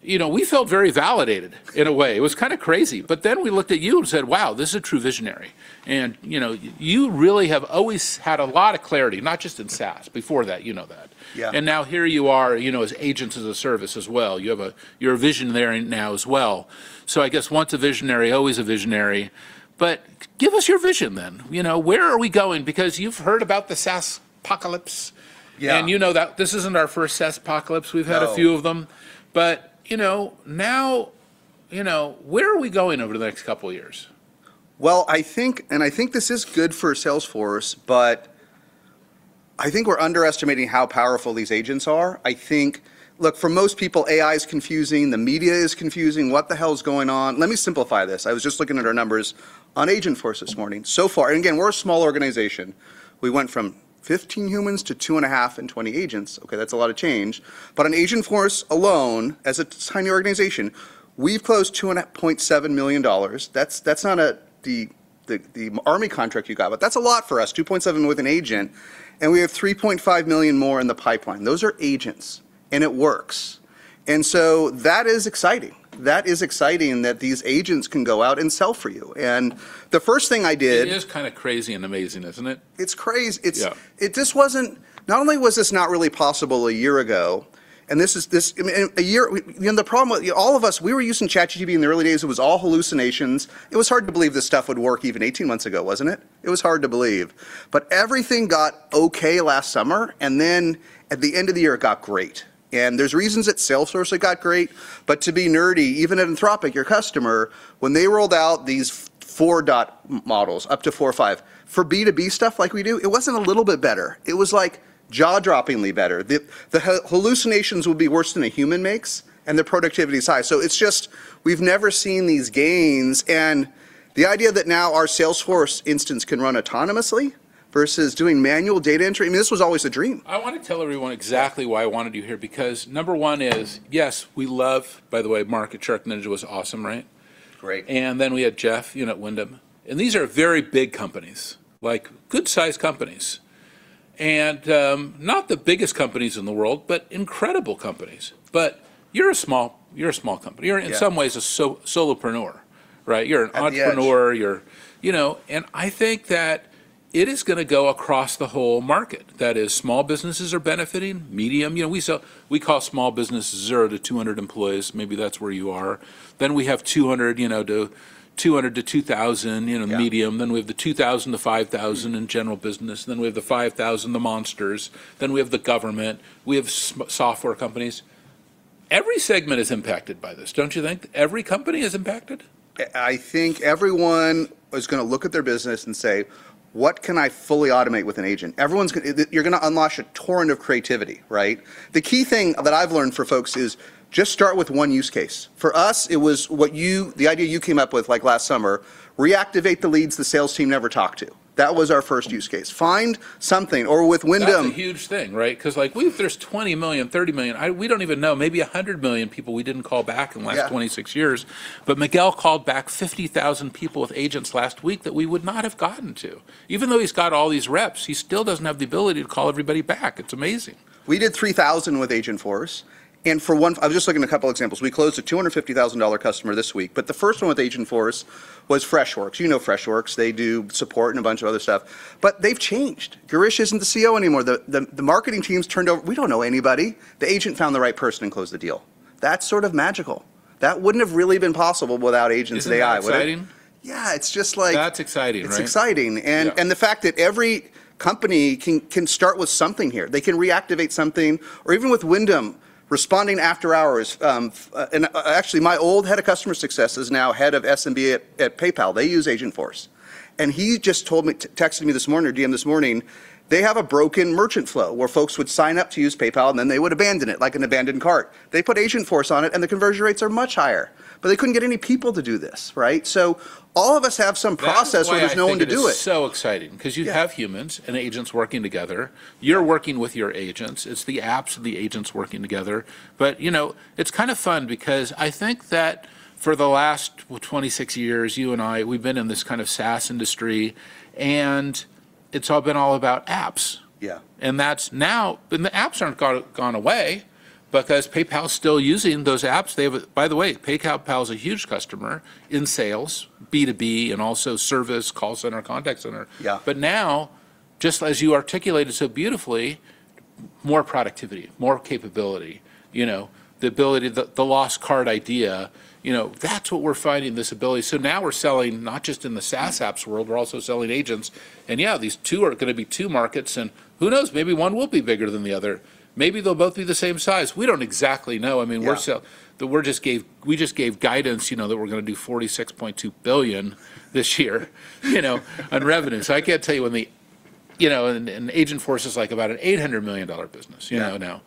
S3: you know, we felt very validated in a way. It was kinda crazy. We looked at you and said, "Wow, this is a true visionary." You know, you really have always had a lot of clarity, not just in SaaS, before that. You know that.
S6: Yeah.
S3: Now here you are, you know, as agent as a service as well. You're a visionary now as well. I guess once a visionary, always a visionary. Give us your vision then, you know, where are we going? Because you've heard about the SaaSpocalypse.
S6: Yeah
S3: And you know that this isn't our first SaaSpocalypse.
S6: No.
S3: We've had a few of them. You know, now, you know, where are we going over the next couple of years?
S6: Well, I think, and I think this is good for Salesforce, but I think we're underestimating how powerful these agents are. I think. Look, for most people, AI is confusing, the media is confusing. "What the hell is going on?" Let me simplify this. I was just looking at our numbers on Agentforce this morning. So far, and again, we're a small organization, we went from 15 humans to 2.5 and 20 agents. Okay, that's a lot of change. On Agentforce alone, as a tiny organization, we've closed $2.7 million. That's not a, the army contract you got, but that's a lot for us. $2.7 million with an agent, and we have $3.5 million more in the pipeline. Those are agents, and it works. That is exciting. That is exciting that these agents can go out and sell for you. The first thing I did-
S3: It is kinda crazy and amazing, isn't it?
S6: It's crazy.
S3: Yeah.
S6: It just wasn't... Not only was this not really possible a year ago, and this is, this, I mean, and the problem with all of us, we were using ChatGPT in the early days. It was all hallucinations. It was hard to believe this stuff would work even 18 months ago, wasn't it? It was hard to believe. Everything got okay last summer, and then at the end of the year, it got great. There's reasons at Salesforce it got great, but to be nerdy, even at Anthropic, your customer, when they rolled out these 4. models, up to 4 or 5, for B2B stuff like we do, it wasn't a little bit better. It was, like, jaw-droppingly better. The hallucinations would be worse than a human makes, and the productivity is high. It's just we've never seen these gains, and the idea that now our Salesforce instance can run autonomously versus doing manual data entry, I mean, this was always a dream.
S3: I wanna tell everyone exactly why I wanted you here, because number one is, yes, we love... By the way, SharkNinja was awesome, right?
S6: Great.
S3: We had Jeff, you know, at Wyndham, and these are very big companies, like good-sized companies, and, not the biggest companies in the world, but incredible companies. You're a small company.
S6: Yeah.
S3: You're in some ways a solopreneur, right?
S6: At the edge.
S3: You're an entrepreneur. You know, I think that it is gonna go across the whole market. That is, small businesses are benefiting, medium. You know, we call small businesses 0 to 200 employees. Maybe that's where you are. We have 200 to 2,000, you know, medium.
S6: Yeah.
S3: We have the 2,000 to 5,000 in general business. We have the 5,000, the monsters. We have the government. We have software companies. Every segment is impacted by this, don't you think? Every company is impacted.
S6: I think everyone is gonna look at their business and say: "What can I fully automate with an agent?" Everyone's you're gonna unleash a torrent of creativity, right? The key thing that I've learned for folks is just start with one use case. For us, it was what the idea you came up with, like, last summer, reactivate the leads the sales team never talked to. That was our first use case. Find something, or with Wyndham.
S3: That's a huge thing, right? 'Cause, like, there's 20 million, 30 million, we don't even know, maybe 100 million people we didn't call back in the last...
S6: Yeah
S3: 26 years. Miguel called back 50,000 people with agents last week that we would not have gotten to. Even though he's got all these reps, he still doesn't have the ability to call everybody back. It's amazing.
S6: We did 3,000 with Agentforce. For one, I was just looking at a couple examples. We closed a $250,000 customer this week, but the first one with Agentforce was Freshworks. You know Freshworks, they do support and a bunch of other stuff, but they've changed. Girish isn't the CEO anymore. The marketing team's turned over. We don't know anybody. The agent found the right person and closed the deal. That's sort of magical. That wouldn't have really been possible without agents and AI, would it?
S3: Isn't it exciting?
S6: Yeah, it's just like-
S3: That's exciting, right?
S6: It's exciting.
S3: Yeah.
S6: The fact that every company can start with something here, they can reactivate something, or even with Wyndham, responding after hours. Actually, my old head of customer success is now head of SMB at PayPal. They use Agentforce. He just told me, texted me this morning, or DM'd this morning, they have a broken merchant flow, where folks would sign up to use PayPal, and then they would abandon it, like an abandoned cart. They put Agentforce on it, and the conversion rates are much higher, but they couldn't get any people to do this, right? All of us have some process...
S3: That's.
S6: where there's no one to do it.
S3: I think it is so exciting, 'cause...
S6: Yeah
S3: have humans and agents working together.
S6: Yeah.
S3: You're working with your agents. It's the apps and the agents working together. You know, it's kind of fun because I think that for the last, well, 26 years, you and I, we've been in this kind of SaaS industry, and it's all been all about apps.
S6: Yeah.
S3: That's now. The apps aren't gone away, because PayPal's still using those apps. By the way, PayPal's a huge customer in Sales, B2B, and also Service, call center, contact center.
S6: Yeah.
S3: Now, just as you articulated so beautifully, more productivity, more capability, you know, the ability, the lost card idea, you know, that's what we're finding, this ability. Now we're selling not just in the SaaS apps world, we're also selling agents, and yeah, these two are gonna be two markets, and who knows, maybe one will be bigger than the other. Maybe they'll both be the same size. We don't exactly know. I mean
S6: Yeah
S3: We just gave guidance, you know, that we're gonna do $46.2 billion this year, you know, on revenue. I can't tell you when the... You know, and Agentforce is, like, about an $800 million business.
S6: Yeah
S3: You know,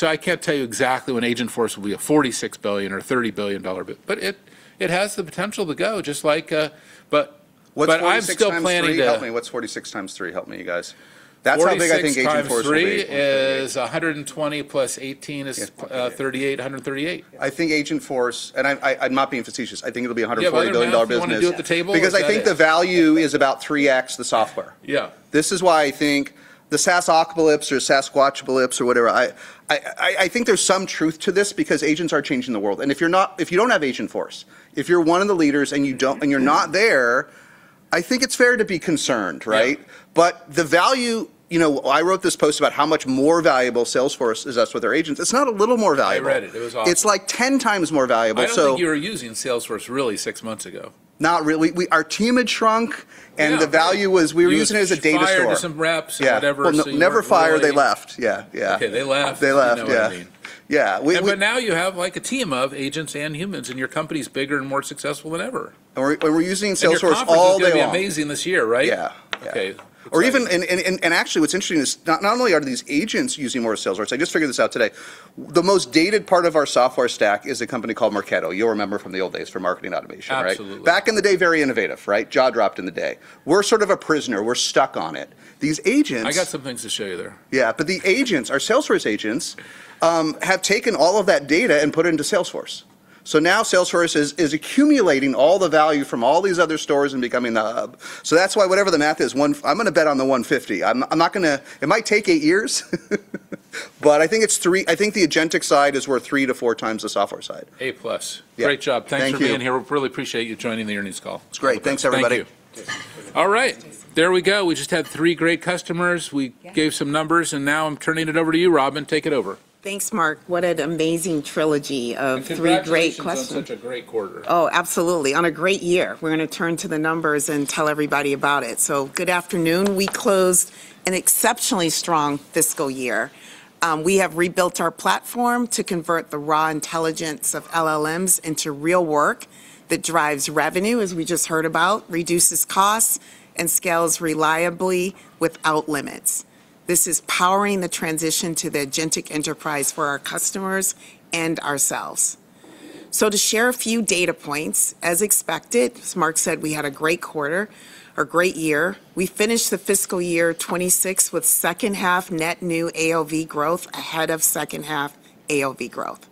S3: now. I can't tell you exactly when Agentforce will be a $46 billion or $30 billion dollar but it has the potential to go, just like,
S6: What's 46 times 3?
S3: I'm still planning.
S6: Help me. What's 46 times 3? Help me, you guys. That's how big I think Agentforce will be.
S3: 46 times 3 is 120 plus 18.
S7: Yeah
S3: 38, 138.
S6: I think Agentforce, and I'm not being facetious, I think it'll be a $140 billion-dollar business.
S3: Yeah, you wanna do it at the table?
S6: I think the value is about 3x the software.
S3: Yeah.
S6: This is why I think the SaaS apocalypse or Sasquatch apocalypse or whatever, I think there's some truth to this because agents are changing the world, and if you don't have Agentforce, if you're one of the leaders and you don't, and you're not there, I think it's fair to be concerned, right?
S3: Yeah.
S6: The value. You know, I wrote this post about how much more valuable Salesforce is us with our agents. It's not a little more valuable.
S3: I read it. It was awesome.
S6: It's, like, 10 times more valuable.
S3: I don't think you were using Salesforce really six months ago.
S6: Not really. Our team had shrunk-
S3: Yeah
S6: The value was, we were using it as a data store.
S3: You just fired some reps or whatever.
S6: Yeah.
S3: So you.
S6: Well, never fired. They left. Yeah.
S3: Okay, they left.
S6: They left.
S3: You know what I mean.
S6: Yeah.
S3: Now you have, like, a team of agents and humans, and your company's bigger and more successful than ever.
S6: We're using Salesforce all day long.
S3: Your conference is gonna be amazing this year, right?
S6: Yeah, yeah.
S3: Okay.
S6: Even, and actually, what's interesting is not only are these agents using more of Salesforce, I just figured this out today, the most dated part of our software stack is a company called Marketo. You'll remember from the old days for marketing automation, right?
S3: Absolutely.
S6: Back in the day, very innovative, right? Jaw dropped in the day. We're sort of a prisoner. We're stuck on it. These agents-
S3: I got some things to show you there.
S6: But the agents, our Salesforce agents, have taken all of that data and put it into Salesforce. Now Salesforce is accumulating all the value from all these other stores and becoming the hub. That's why whatever the math is. I'm gonna bet on the 150. I'm not gonna. It might take 8 years, but I think the agentic side is worth 3 to 4 times the software side.
S3: A plus.
S6: Yeah.
S3: Great job.
S6: Thank you.
S3: Thanks for being here. We really appreciate you joining the earnings call.
S6: It's great.
S3: Okay.
S6: Thanks, everybody.
S3: Thank you.
S7: Thanks.
S3: All right, there we go. We just had three great customers.
S7: Yeah.
S3: We gave some numbers. Now I'm turning it over to you, Robin. Take it over.
S7: Thanks, Marc. What an amazing trilogy of 3 great questions.
S3: Congratulations on such a great quarter.
S7: Oh, absolutely, on a great year. We're gonna turn to the numbers and tell everybody about it. Good afternoon. We closed an exceptionally strong fiscal year. We have rebuilt our platform to convert the raw intelligence of LLMs into real work that drives revenue, as we just heard about, reduces costs, and scales reliably without limits. This is powering the transition to the Agentic Enterprise for our customers and ourselves. To share a few data points, as expected, as Marc said, we had a great quarter or great year. We finished the fiscal year 26 with second-half net new AOV growth ahead of second-half AOV growth.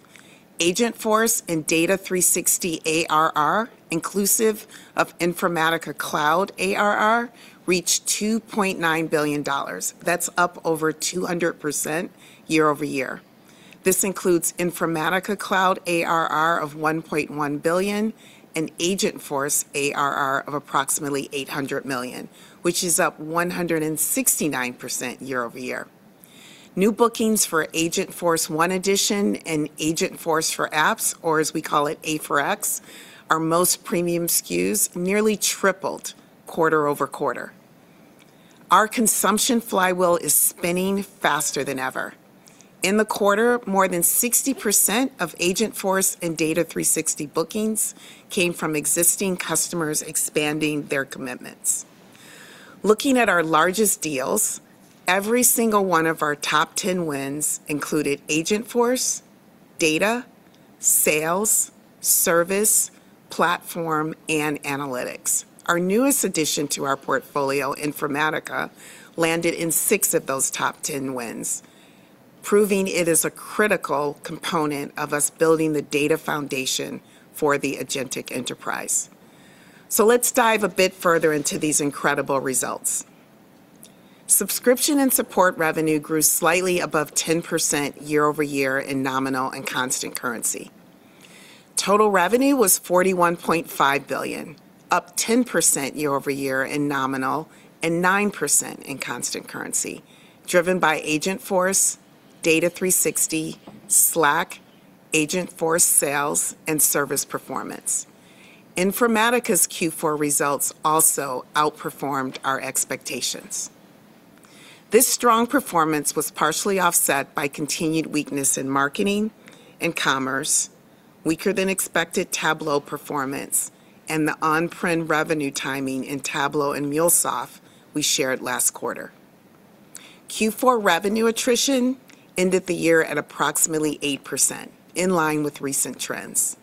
S7: Agentforce and Data 360 ARR, inclusive of Informatica Cloud ARR, reached $2.9 billion. That's up over 200% year-over-year. This includes Informatica Cloud ARR of $1.1 billion and Agentforce ARR of approximately $800 million, which is up 169% year-over-year. New bookings for Agentforce 1 Edition and Agentforce for Apps, or as we call it, A4X, our most premium SKUs, nearly tripled quarter-over-quarter. Our consumption flywheel is spinning faster than ever. In the quarter, more than 60% of Agentforce and Data 360 bookings came from existing customers expanding their commitments. Looking at our largest deals, every single one of our top 10 wins included Agentforce, data, sales, service, platform, and analytics. Our newest addition to our portfolio, Informatica, landed in 6 of those top 10 wins, proving it is a critical component of us building the data foundation for the agentic enterprise. Let's dive a bit further into these incredible results. Subscription and support revenue grew slightly above 10% year-over-year in nominal and constant currency. Total revenue was $41.5 billion, up 10% year-over-year in nominal and 9% in constant currency, driven by Agentforce, Data 360, Slack, Agentforce Sales, and service performance. Informatica's Q4 results also outperformed our expectations. This strong performance was partially offset by continued weakness in marketing and commerce, weaker-than-expected Tableau performance, and the on-prem revenue timing in Tableau and MuleSoft we shared last quarter. Q4 revenue attrition ended the year at approximately 8%, in line with recent trends.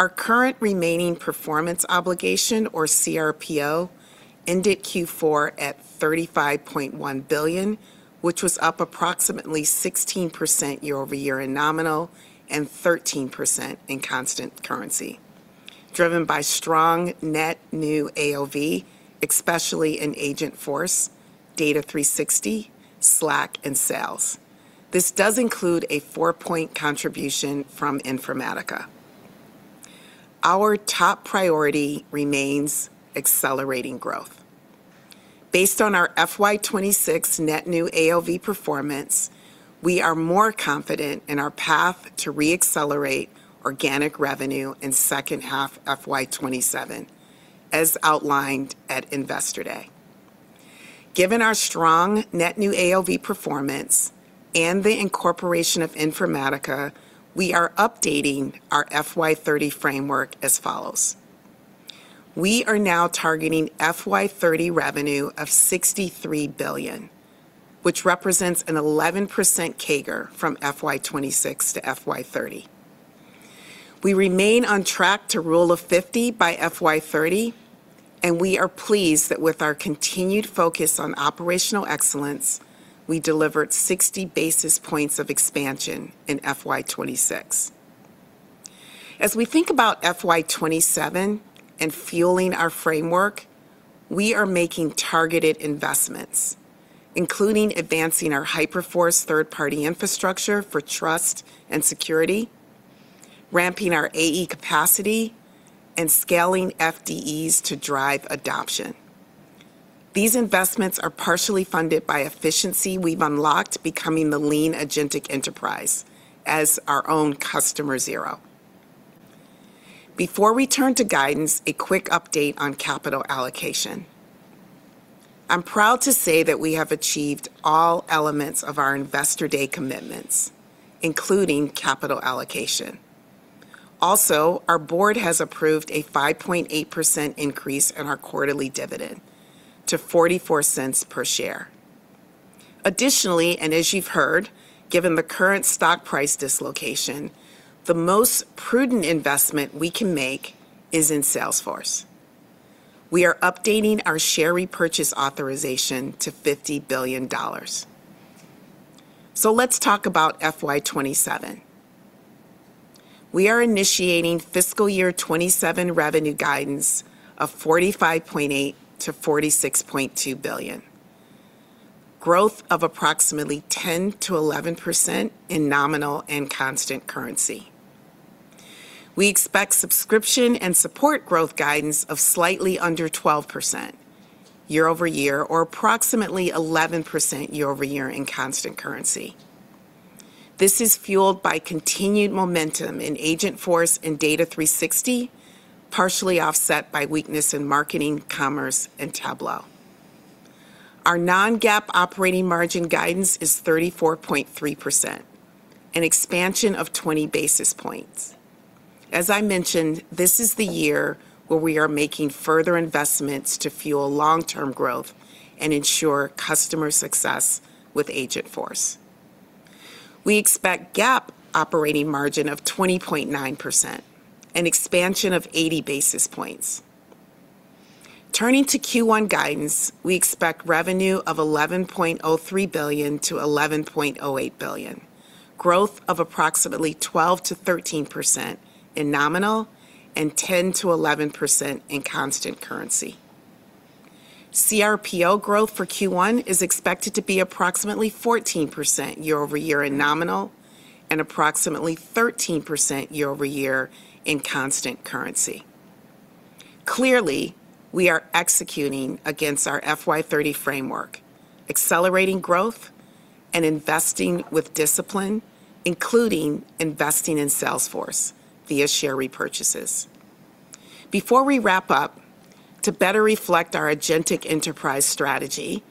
S7: Our current remaining performance obligation, or CRPO, ended Q4 at $35.1 billion, which was up approximately 16% year-over-year in nominal and 13% in constant currency, driven by strong net new AOV, especially in Agentforce, Data 360, Slack, and sales. This does include a four-point contribution from Informatica. Our top priority remains accelerating growth. Based on our FY26 net new AOV performance, we are more confident in our path to re-accelerate organic revenue in second half FY27, as outlined at Investor Day. Given our strong net new AOV performance and the incorporation of Informatica, we are updating our FY30 framework as follows: We are now targeting FY30 revenue of $63 billion, which represents an 11% CAGR from FY26 to FY30. We remain on track to Rule of 50 by FY30, and we are pleased that with our continued focus on operational excellence, we delivered 60 basis points of expansion in FY26. As we think about FY27 and fueling our framework, we are making targeted investments, including advancing our Hyperforce third-party infrastructure for trust and security, ramping our AE capacity, and scaling FDEs to drive adoption. These investments are partially funded by efficiency we've unlocked, becoming the lean agentic enterprise as our own Customer Zero. Before we turn to guidance, a quick update on capital allocation. I'm proud to say that we have achieved all elements of our Investor Day commitments, including capital allocation. Also, our board has approved a 5.8% increase in our quarterly dividend to $0.44 per share. Additionally, and as you've heard, given the current stock price dislocation, the most prudent investment we can make is in Salesforce. We are updating our share repurchase authorization to $50 billion. Let's talk about FY 2027. We are initiating fiscal year 2027 revenue guidance of $45.8 billion-$46.2 billion, growth of approximately 10%-11% in nominal and constant currency. We expect subscription and support growth guidance of slightly under 12% year-over-year, or approximately 11% year-over-year in constant currency. This is fueled by continued momentum in Agentforce and Data 360, partially offset by weakness in marketing, commerce, and Tableau. Our non-GAAP operating margin guidance is 34.3%, an expansion of 20 basis points. As I mentioned, this is the year where we are making further investments to fuel long-term growth and ensure customer success with Agentforce. We expect GAAP operating margin of 20.9%, an expansion of 80 basis points. Turning to Q1 guidance, we expect revenue of $11.03 billion to $11.08 billion, growth of approximately 12%-13% in nominal and 10%-11% in constant currency. CRPO growth for Q1 is expected to be approximately 14% year-over-year in nominal and approximately 13% year-over-year in constant currency. Clearly, we are executing against our FY30 framework, accelerating growth and investing with discipline, including investing in Salesforce via share repurchases. Before we wrap up, to better reflect our agentic enterprise strategy,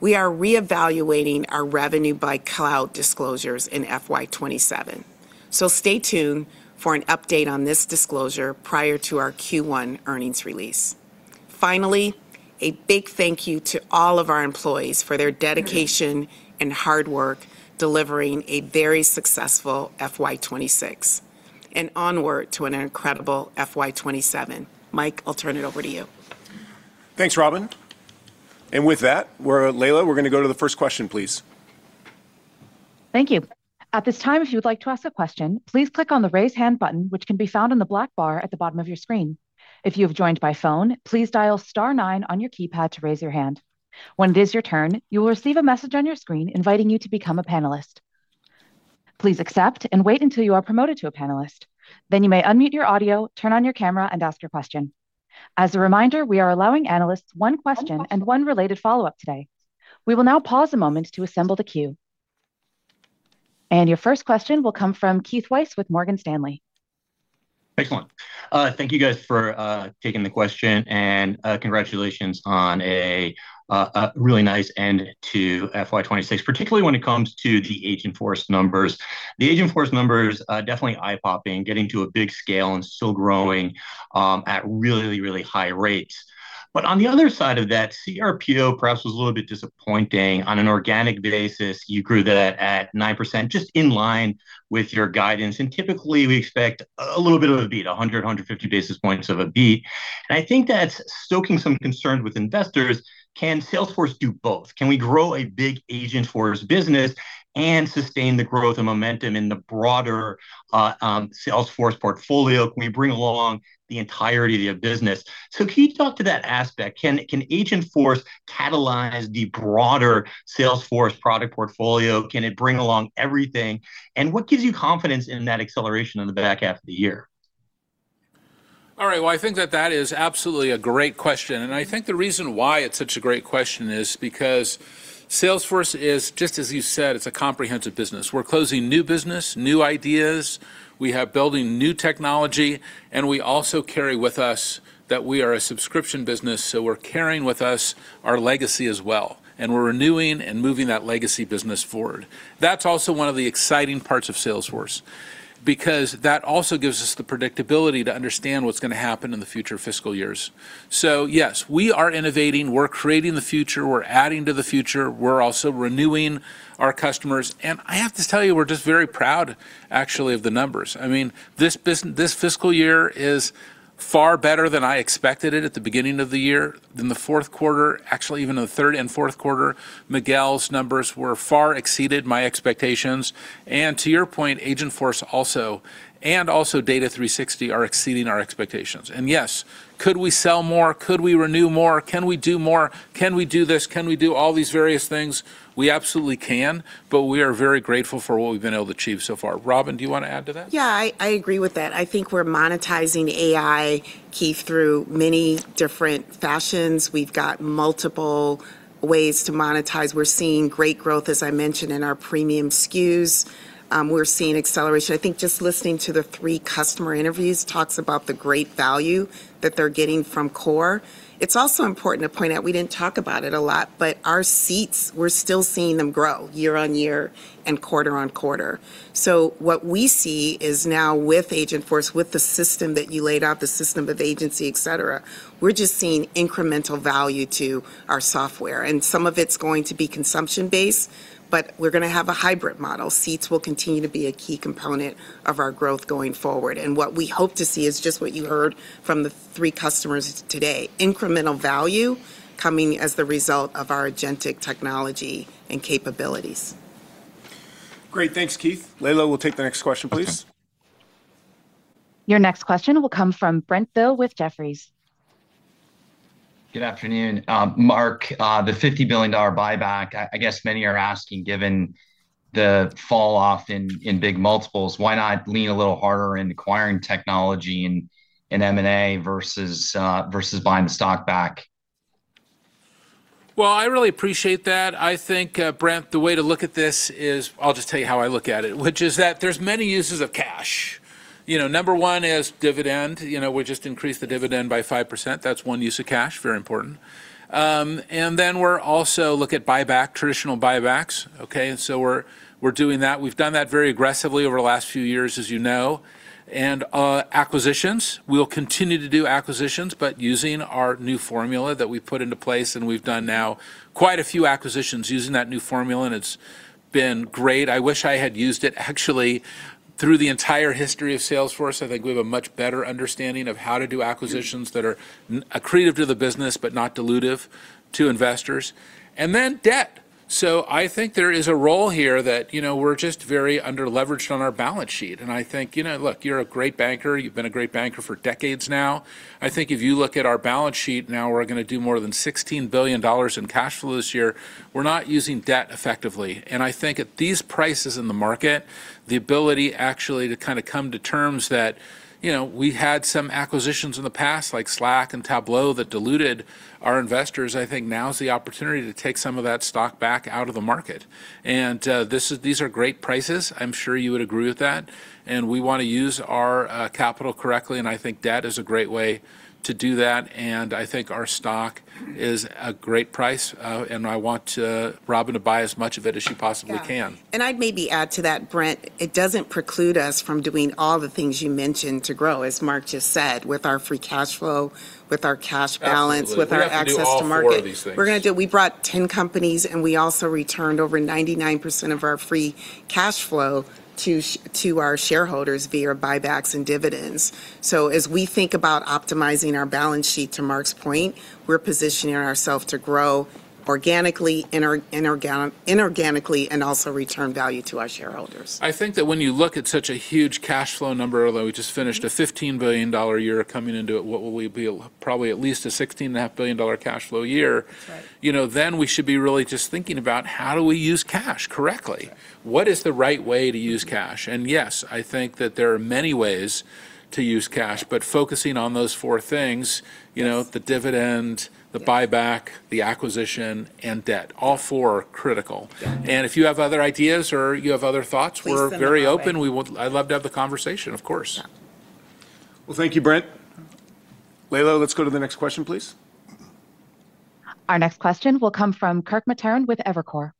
S7: we are reevaluating our revenue by cloud disclosures in FY27. Stay tuned for an update on this disclosure prior to our Q1 earnings release. Finally, a big thank-you to all of our employees for their dedication and hard work, delivering a very successful FY26, and onward to an incredible FY27. Mike, I'll turn it over to you.
S2: Thanks, Robin. With that, Layla, we're going to go to the first question, please.
S1: Thank you. At this time, if you would like to ask a question, please click on the Raise Hand button, which can be found in the black bar at the bottom of your screen. If you have joined by phone, please dial star nine on your keypad to raise your hand. When it is your turn, you will receive a message on your screen inviting you to become a panelist. Please accept and wait until you are promoted to a panelist, then you may unmute your audio, turn on your camera, and ask your question. As a reminder, we are allowing analysts one question and one related follow-up today. We will now pause a moment to assemble the queue. Your first question will come from Keith Weiss with Morgan Stanley.
S8: Excellent. Thank you guys for taking the question, and congratulations on a really nice end to FY26, particularly when it comes to the Agentforce numbers. The Agentforce numbers are definitely eye-popping, getting to a big scale and still growing at really, really high rates. On the other side of that, CRPO perhaps was a little bit disappointing. On an organic basis, you grew that at 9%, just in line with your guidance, and typically, we expect a little bit of a beat, 100, 150 basis points of a beat. I think that's stoking some concern with investors. Can Salesforce do both? Can we grow a big Agentforce business and sustain the growth and momentum in the broader Salesforce portfolio? Can we bring along the entirety of the business? Can you talk to that aspect? Can Agentforce catalyze the broader Salesforce product portfolio? Can it bring along everything? What gives you confidence in that acceleration on the back half of the year?
S3: All right, well, I think that that is absolutely a great question. I think the reason why it's such a great question is because Salesforce is, just as you said, it's a comprehensive business. We're closing new business, new ideas. We have building new technology, and we also carry with us that we are a subscription business, so we're carrying with us our legacy as well, and we're renewing and moving that legacy business forward. That's also one of the exciting parts of Salesforce because that also gives us the predictability to understand what's going to happen in the future fiscal years. Yes, we are innovating, we're creating the future, we're adding to the future, we're also renewing our customers, and I have to tell you, we're just very proud, actually, of the numbers. I mean, this fiscal year is far better than I expected it at the beginning of the year. In the Q4, actually, even in the third and Q4, Miguel's numbers were far exceeded my expectations. To your point, Agentforce also, and also Data 360, are exceeding our expectations. Yes, could we sell more? Could we renew more? Can we do more? Can we do this? Can we do all these various things? We absolutely can, but we are very grateful for what we've been able to achieve so far. Robin, do you want to add to that?
S7: Yeah, I agree with that. I think we're monetizing AI, Keith, through many different fashions. We've got multiple ways to monetize. We're seeing great growth, as I mentioned, in our premium SKUs. We're seeing acceleration. I think just listening to the three customer interviews talks about the great value that they're getting from Core. It's also important to point out, we didn't talk about it a lot, but our seats, we're still seeing them grow year-over-year and quarter-over-quarter. What we see is now with Agentforce, with the system that you laid out, the system of agency, et cetera, we're just seeing incremental value to our software, and some of it's going to be consumption-based, but we're gonna have a hybrid model. Seats will continue to be a key component of our growth going forward. What we hope to see is just what you heard from the three customers today, incremental value coming as the result of our agentic technology and capabilities.
S2: Great. Thanks, Keith. Layla, we'll take the next question, please.
S1: Your next question will come from Brent Thill with Jefferies.
S9: Good afternoon. Marc, the $50 billion buyback, I guess many are asking, given the falloff in big multiples, why not lean a little harder in acquiring technology in M&A versus buying the stock back?
S3: Well, I really appreciate that. I think, Brent, the way to look at this is. I'll just tell you how I look at it, which is that there's many uses of cash. You know, number one is dividend. You know, we just increased the dividend by 5%. That's one use of cash, very important. And then we're also look at buyback, traditional buybacks, okay? So we're doing that. We've done that very aggressively over the last few years, as you know. Acquisitions, we'll continue to do acquisitions, but using our new formula that we've put into place, and we've done now quite a few acquisitions using that new formula, and it's been great. I wish I had used it, actually, through the entire history of Salesforce. I think we have a much better understanding of how to do acquisitions that are accretive to the business but not dilutive to investors. Debt. I think there is a role here that, you know, we're just very under-leveraged on our balance sheet, and I think, you know, look, you're a great banker. You've been a great banker for decades now. I think if you look at our balance sheet, now we're gonna do more than $16 billion in cash flow this year. We're not using debt effectively, and I think at these prices in the market, the ability actually to kinda come to terms that, you know, we had some acquisitions in the past, like Slack and Tableau, that diluted our investors, I think now is the opportunity to take some of that stock back out of the market. These are great prices. I'm sure you would agree with that. We wanna use our capital correctly. I think debt is a great way to do that. I think our stock is a great price. I want Robin to buy as much of it as she possibly can.
S7: Yeah. I'd maybe add to that, Brent, it doesn't preclude us from doing all the things you mentioned to grow, as Marc just said, with our free cash flow, with our cash balance...
S3: Absolutely
S7: With our access to market.
S3: We have to do all four of these things.
S7: We brought 10 companies. We also returned over 99% of our free cash flow to our shareholders via buybacks and dividends. As we think about optimizing our balance sheet, to Marc's point, we're positioning ourself to organically, inorganically, and also return value to our shareholders?
S3: I think that when you look at such a huge cash flow number, although we just finished a $15 billion year, coming into it, what will we be? Probably at least a $16.5 billion cash flow year. That's right. You know, then we should be really just thinking about: How do we use cash correctly? That's right. What is the right way to use cash? Yes, I think that there are many ways to use cash, but focusing on those four things, you know, the dividend, the buyback, the acquisition, and debt. All four are critical. If you have other ideas or you have other thoughts,
S7: Please send them our way. We're very open.
S3: I'd love to have the conversation, of course. Yeah.
S2: Well, thank you, Brent. Layla, let's go to the next question, please.
S1: Our next question will come from Kirk Materne with Evercore.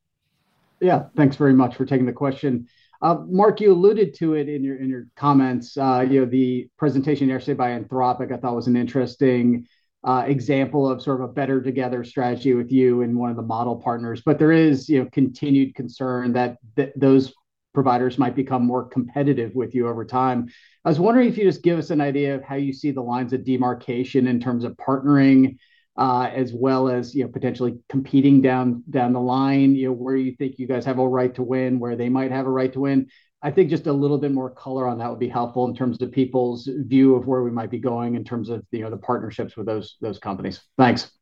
S10: Yeah. Thanks very much for taking the question. Marc, you alluded to it in your, in your comments. You know, the presentation yesterday by Anthropic, I thought was an interesting example of sort of a better together strategy with you and one of the model partners. There is, you know, continued concern that those providers might become more competitive with you over time. I was wondering if you'd just give us an idea of how you see the lines of demarcation in terms of partnering, as well as, you know, potentially competing down the line, you know, where you think you guys have a right to win, where they might have a right to win? I think just a little bit more color on that would be helpful in terms of people's view of where we might be going in terms of, you know, the partnerships with those companies. Thanks.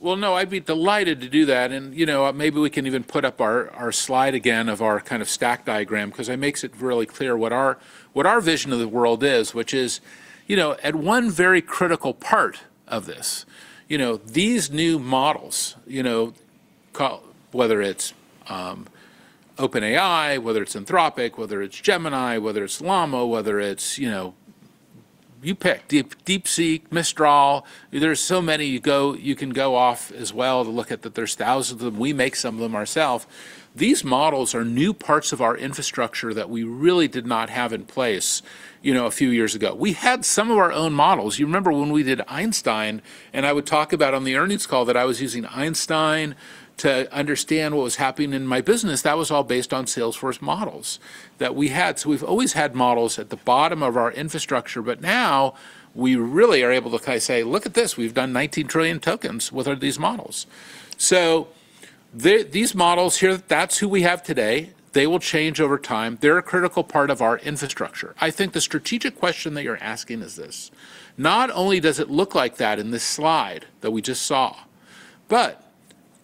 S3: No, I'd be delighted to do that. You know, maybe we can even put up our slide again of our kind of stack diagram, 'cause it makes it really clear what our, what our vision of the world is, which is, you know, at one very critical part of this, you know, these new models, you know, whether it's OpenAI, whether it's Anthropic, whether it's Gemini, whether it's Llama, whether it's, you know. You pick. DeepSeek, Mistral, there are so many. You can go off as well to look at that there's thousands of them. We make some of them ourself. These models are new parts of our infrastructure that we really did not have in place, you know, a few years ago. We had some of our own models. You remember when we did Einstein, and I would talk about on the earnings call that I was using Einstein to understand what was happening in my business, that was all based on Salesforce models that we had. We've always had models at the bottom of our infrastructure, but now we really are able to kind of say, "Look at this. We've done 19 trillion tokens with these models." These models here, that's who we have today. They will change over time. They're a critical part of our infrastructure. I think the strategic question that you're asking is this: Not only does it look like that in this slide that we just saw, but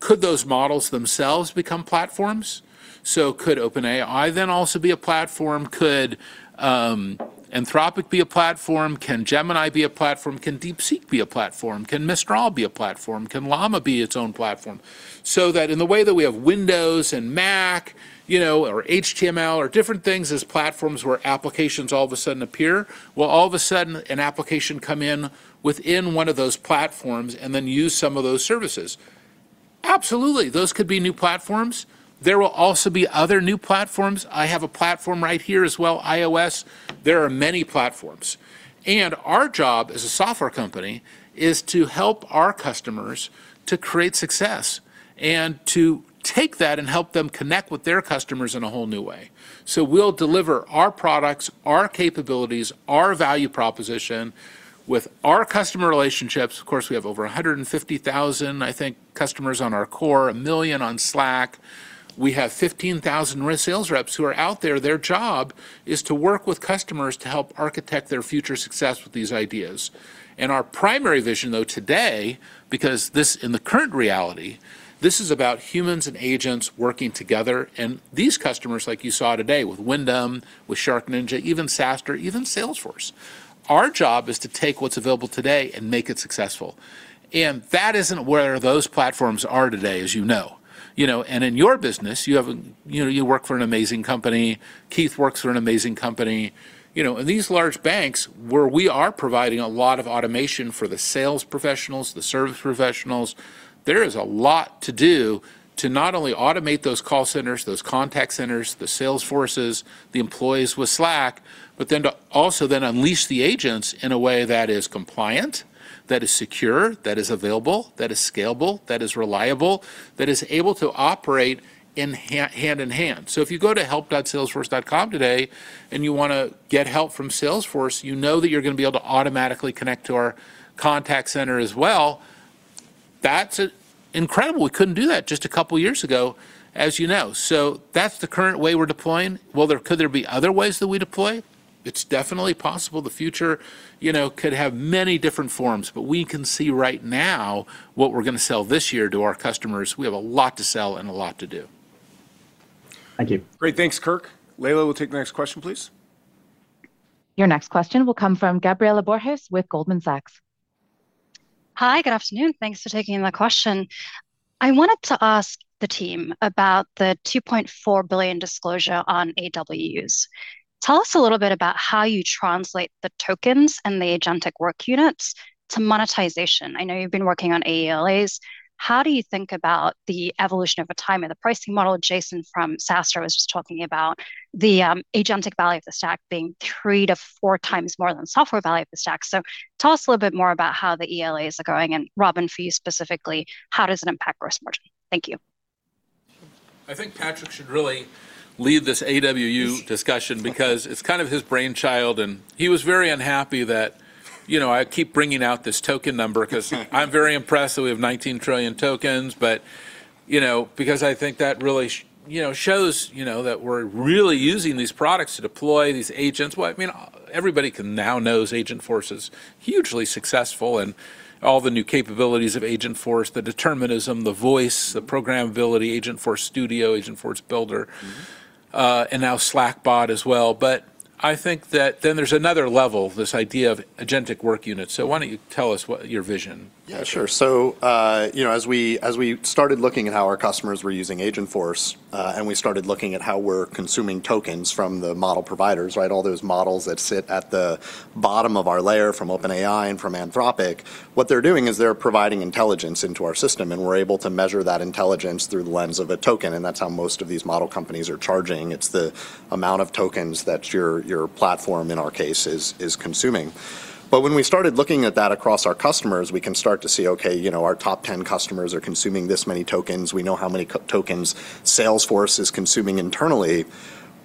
S3: could those models themselves become platforms? Could OpenAI then also be a platform? Could Anthropic be a platform? Can Gemini be a platform? Can DeepSeek be a platform? Can Mistral be a platform? Can Llama be its own platform? In the way that we have Windows and Mac, you know, or HTML or different things as platforms where applications all of a sudden appear, will all of a sudden an application come in within one of those platforms and then use some of those services? Absolutely, those could be new platforms. There will also be other new platforms. I have a platform right here as well, iOS. There are many platforms. Our job as a software company is to help our customers to create success, and to take that and help them connect with their customers in a whole new way. We'll deliver our products, our capabilities, our value proposition with our customer relationships. Of course, we have over 150,000, I think, customers on our core, 1 million on Slack. We have 15,000 sales reps who are out there. Their job is to work with customers to help architect their future success with these ideas. Our primary vision, though, today, because this, in the current reality, this is about humans and agents working together. These customers, like you saw today with Wyndham, with SharkNinja, even SaaStr, even Salesforce, our job is to take what's available today and make it successful. That isn't where those platforms are today, as you know. You know, in your business, you have you know, you work for an amazing company. Keith works for an amazing company. You know, these large banks, where we are providing a lot of automation for the sales professionals, the service professionals, there is a lot to do to not only automate those call centers, those contact centers, the sales forces, the employees with Slack, to also then unleash the agents in a way that is compliant, that is secure, that is available, that is scalable, that is reliable, that is able to operate hand in hand. If you go to help.salesforce.com today and you wanna get help from Salesforce, you know that you're gonna be able to automatically connect to our contact center as well. That's incredible. We couldn't do that just a couple of years ago, as you know. That's the current way we're deploying. Could there be other ways that we deploy? It's definitely possible. The future, you know, could have many different forms, but we can see right now what we're gonna sell this year to our customers. We have a lot to sell and a lot to do.
S10: Thank you.
S2: Great. Thanks, Kirk. Layla, we'll take the next question, please.
S1: Your next question will come from Gabriela Borges with Goldman Sachs.
S11: Hi, good afternoon. Thanks for taking my question. I wanted to ask the team about the $2.4 billion disclosure on AWS. Tell us a little bit about how you translate the tokens and the Agentic Work Units to monetization. I know you've been working on AELAs. How do you think about the evolution over time and the pricing model? Jason from SaaStr was just talking about the agentic value of the stack being three to four times more than software value of the stack. Tell us a little bit more about how the ELAs are going, and Robin, for you specifically, how does it impact gross margin? Thank you.
S3: I think Patrick should really lead this AWU discussion because it's kind of his brainchild, and he was very unhappy that, you know, I keep bringing out this token number 'cause I'm very impressed that we have 19 trillion tokens. you know, because I think that really shows, you know, that we're really using these products to deploy these agents. I mean, everybody can now knows Agentforce is hugely successful, and all the new capabilities of Agentforce, the determinism, the voice, the programmability, Agentforce Studio, Agentforce Builder. Now Slackbot as well. I think that there's another level, this idea of Agentic Work Units. Why don't you tell us what your vision?
S12: Yeah, sure. You know, as we started looking at how our customers were using Agentforce, and we started looking at how we're consuming tokens from the model providers, right? All those models that sit at the bottom of our layer from OpenAI and from Anthropic, what they're doing is they're providing intelligence into our system, and we're able to measure that intelligence through the lens of a token, and that's how most of these model companies are charging. It's the amount of tokens that your platform, in our case, is consuming. When we started looking at that across our customers, we can start to see, okay, you know, our top 10 customers are consuming this many tokens. We know how many tokens Salesforce is consuming internally.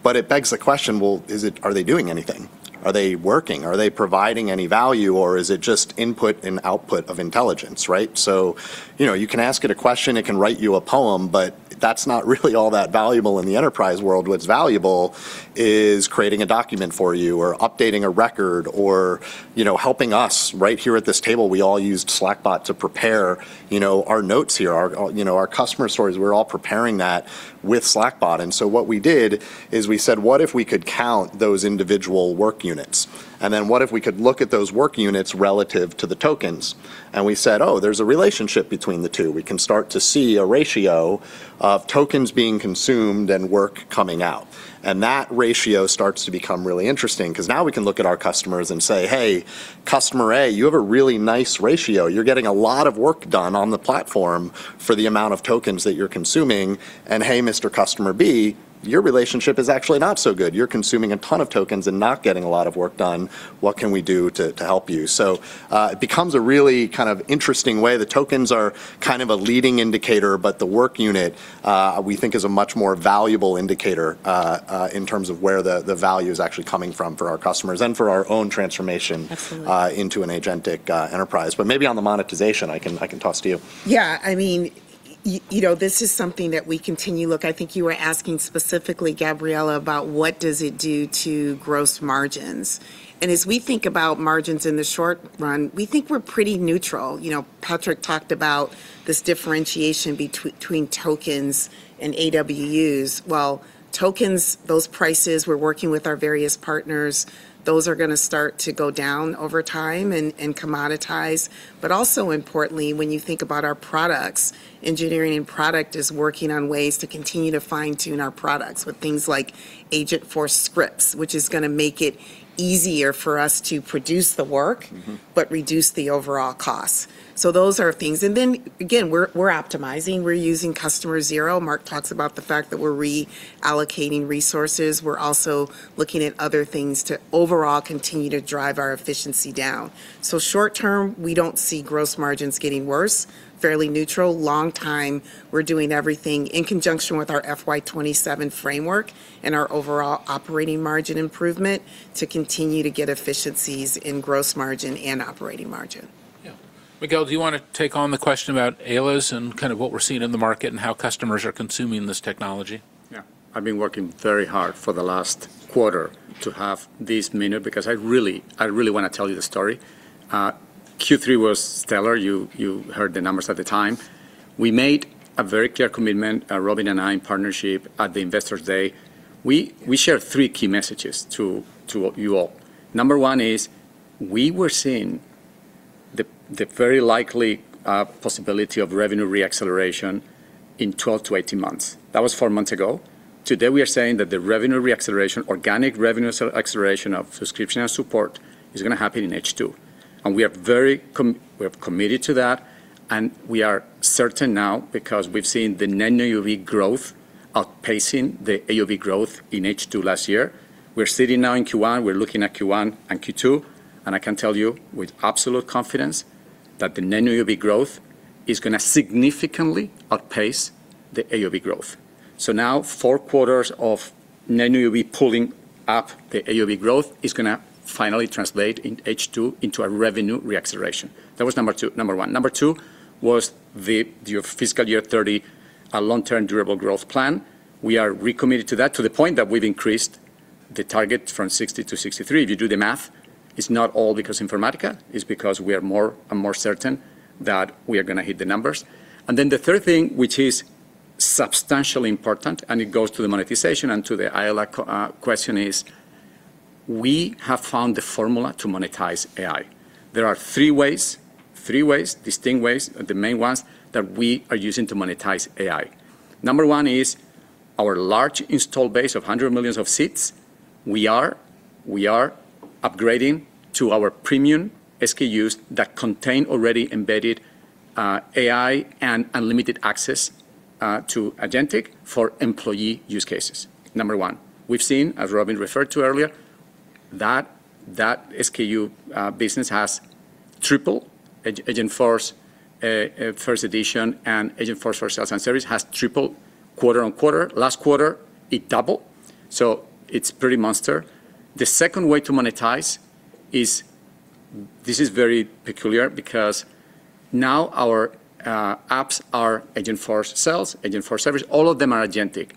S12: It begs the question: Well, are they doing anything? Are they working? Are they providing any value, or is it just input and output of intelligence, right? You know, you can ask it a question, it can write you a poem, but that's not really all that valuable in the enterprise world. What's valuable is creating a document for you or updating a record or, you know, helping us. Right here at this table, we all used Slackbot to prepare, you know, our notes here, our, you know, our customer stories. We're all preparing that with Slackbot. What we did is we said: "What if we could count those individual work units? What if we could look at those work units relative to the tokens?" We said, "Oh, there's a relationship between the two." We can start to see a ratio of tokens being consumed and work coming out, and that ratio starts to become really interesting 'cause now we can look at our customers and say, "Hey, customer A, you have a really nice ratio. You're getting a lot of work done on the platform for the amount of tokens that you're consuming," and, "Hey, Mr. Customer B, your relationship is actually not so good. You're consuming a ton of tokens and not getting a lot of work done. What can we do to help you?" It becomes a really kind of interesting way. The tokens are kind of a leading indicator, but the work unit, we think is a much more valuable indicator, in terms of where the value is actually coming from for our customers and for our own transformation.
S7: Absolutely
S12: Into an agentic enterprise. Maybe on the monetization, I can toss to you.
S7: Yeah. I mean, you know, this is something that we continue. Look, I think you were asking specifically, Gabriela, about what does it do to gross margins? As we think about margins in the short run, we think we're pretty neutral. You know, Patrick talked about this differentiation between tokens and AWUs. Well, tokens, those prices, we're working with our various partners. Those are gonna start to go down over time and commoditize. Also importantly, when you think about our products, engineering and product is working on ways to continue to fine-tune our products with things like Agent Script, which is gonna make it easier for us to produce the work reduce the overall cost. Those are things. Again, we're optimizing. We're using Customer Zero. Marc talks about the fact that we're reallocating resources. We're also looking at other things to overall continue to drive our efficiency down. Short term, we don't see gross margins getting worse, fairly neutral. Long term, we're doing everything in conjunction with our FY27 framework and our overall operating margin improvement to continue to get efficiencies in gross margin and operating margin.
S3: Miguel, do you wanna take on the question about AOV and kind of what we're seeing in the market and how customers are consuming this technology?
S13: Yeah. I've been working very hard for the last quarter to have this minute because I really wanna tell you the story. Q3 was stellar. You heard the numbers at the time. We made a very clear commitment, Robin Washington and I, in partnership at the Investor Day. We shared 3 key messages to you all. Number 1 is, we were seeing the very likely possibility of revenue re-acceleration in 12 to 18 months. That was 4 months ago. Today, we are saying that the revenue re-acceleration, organic revenue acceleration of subscription and support, is gonna happen in H2, and we are very committed to that, and we are certain now because we've seen the net new AOV growth outpacing the AOV growth in H2 last year. We're sitting now in Q1. We're looking at Q1 and Q2, I can tell you with absolute confidence that the net AOV growth is gonna significantly outpace the AOV growth. Now, 4 quarters of net AOV pulling up the AOV growth is gonna finally translate in H2 into a revenue re-acceleration. That was number 2- number 1. Number 2 was the, your fiscal year 30, long-term durable growth plan. We are recommitted to that, to the point that we've increased the target from 60 to 63. If you do the math, it's not all because Informatica. It's because we are more and more certain that we are gonna hit the numbers. Then the third thing, which is substantially important, and it goes to the monetization and to the AELA co- question, is we have found the formula to monetize AI. There are three ways, distinct ways, the main ones, that we are using to monetize AI. Number one is our large install base of 100 million seats. We are upgrading to our premium SKUs that contain already embedded AI and unlimited access to agentic for employee use cases, number one. We've seen, as Robin referred to earlier, that SKU business triple. Agentforce 1 Edition and Agentforce for Sales and Service has tripled quarter-on-quarter. Last quarter, it doubled, so it's pretty monster. The second way to monetize is this is very peculiar, because now our apps are Agentforce Sales, Agentforce Service, all of them are agentic.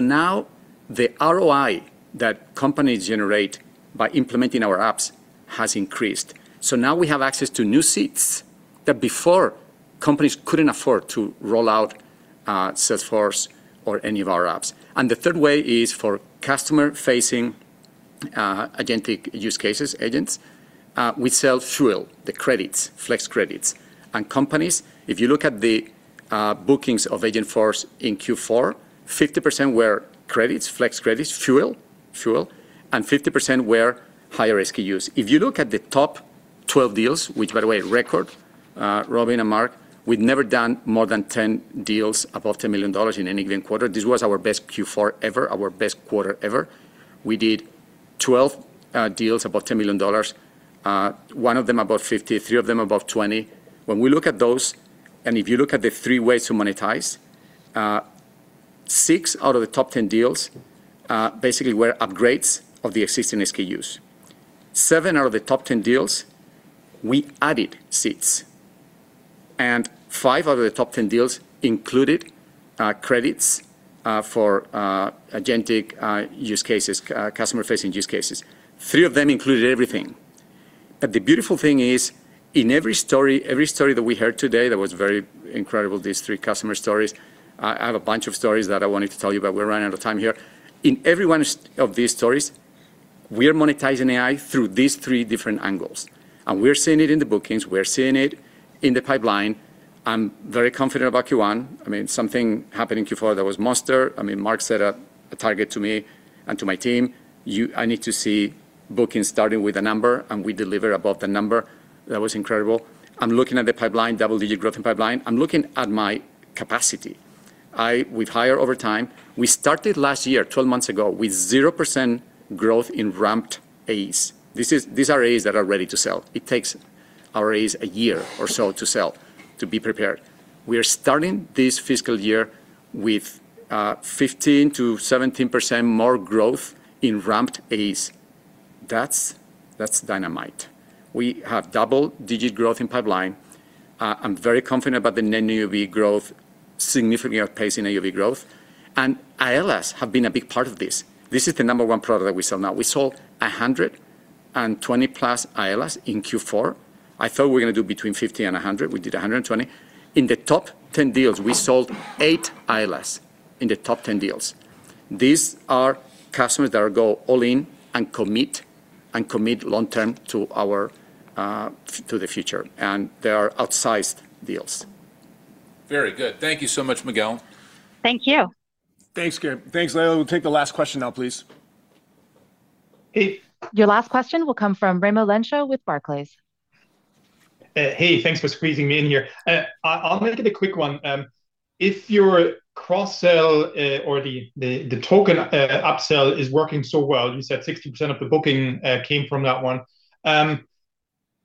S13: Now, the ROI that companies generate by implementing our apps has increased. Now we have access to new seats, that before, companies couldn't afford to roll out Salesforce or any of our apps. The third way is for customer-facing, agentic use cases, agents. We sell fuel, the credits, Flex Credits. Companies, if you look at the bookings of Agentforce in Q4, 50% were credits, Flex Credits, fuel, and 50% were higher SKU use. If you look at the top 12 deals, which by the way, record, Robin and Marc, we've never done more than 10 deals above $10 million in any given quarter. This was our best Q4 ever, our best quarter ever. We did 12 deals above $10 million, 1 of them above $50 million, 3 of them above $20 million. When we look at those, if you look at the 3 ways to monetize, 6 out of the top 10 deals, basically were upgrades of the existing SKUs. 7 out of the top 10 deals, we added seats, and 5 out of the top 10 deals included credits for agentic customer-facing use cases. 3 of them included everything. The beautiful thing is, in every story, every story that we heard today, that was very incredible, these 3 customer stories, I have a bunch of stories that I wanted to tell you, but we're running out of time here. In every one of these stories, we are monetizing AI through these 3 different angles, and we're seeing it in the bookings, we're seeing it in the pipeline. I'm very confident about Q1. I mean, something happened in Q4 that was monster. I mean, Marc set a target to me and to my team, "I need to see bookings starting with a number," we delivered above the number. That was incredible. I'm looking at the pipeline, double-digit growth in pipeline. I'm looking at my capacity. We've hired over time. We started last year, 12 months ago, with 0% growth in ramped AEs. These are AEs that are ready to sell. It takes our AEs a year or so to sell, to be prepared. We are starting this fiscal year with 15%-17% more growth in ramped AEs. That's dynamite. We have double-digit growth in pipeline. I'm very confident about the net AOV growth, significantly outpacing AOV growth, ILAs have been a big part of this. This is the number one product that we sell now. We sold 120+ ILAs in Q4. I thought we were gonna do between 50 and 100. We did 120. In the top 10 deals, we sold eight ILAs, in the top 10 deals. These are customers that go all in and commit, and commit long-term to our to the future. They are outsized deals.
S3: Very good. Thank you so much, Miguel.
S7: Thank you.
S2: Thanks, Gab. Thanks, Layla. We'll take the last question now, please.
S14: Hey
S1: Your last question will come from Raimo Lenschow with Barclays.
S14: Hey, thanks for squeezing me in here. I'm gonna get a quick one. If your cross-sell, or the token upsell is working so well, you said 60% of the booking came from that one,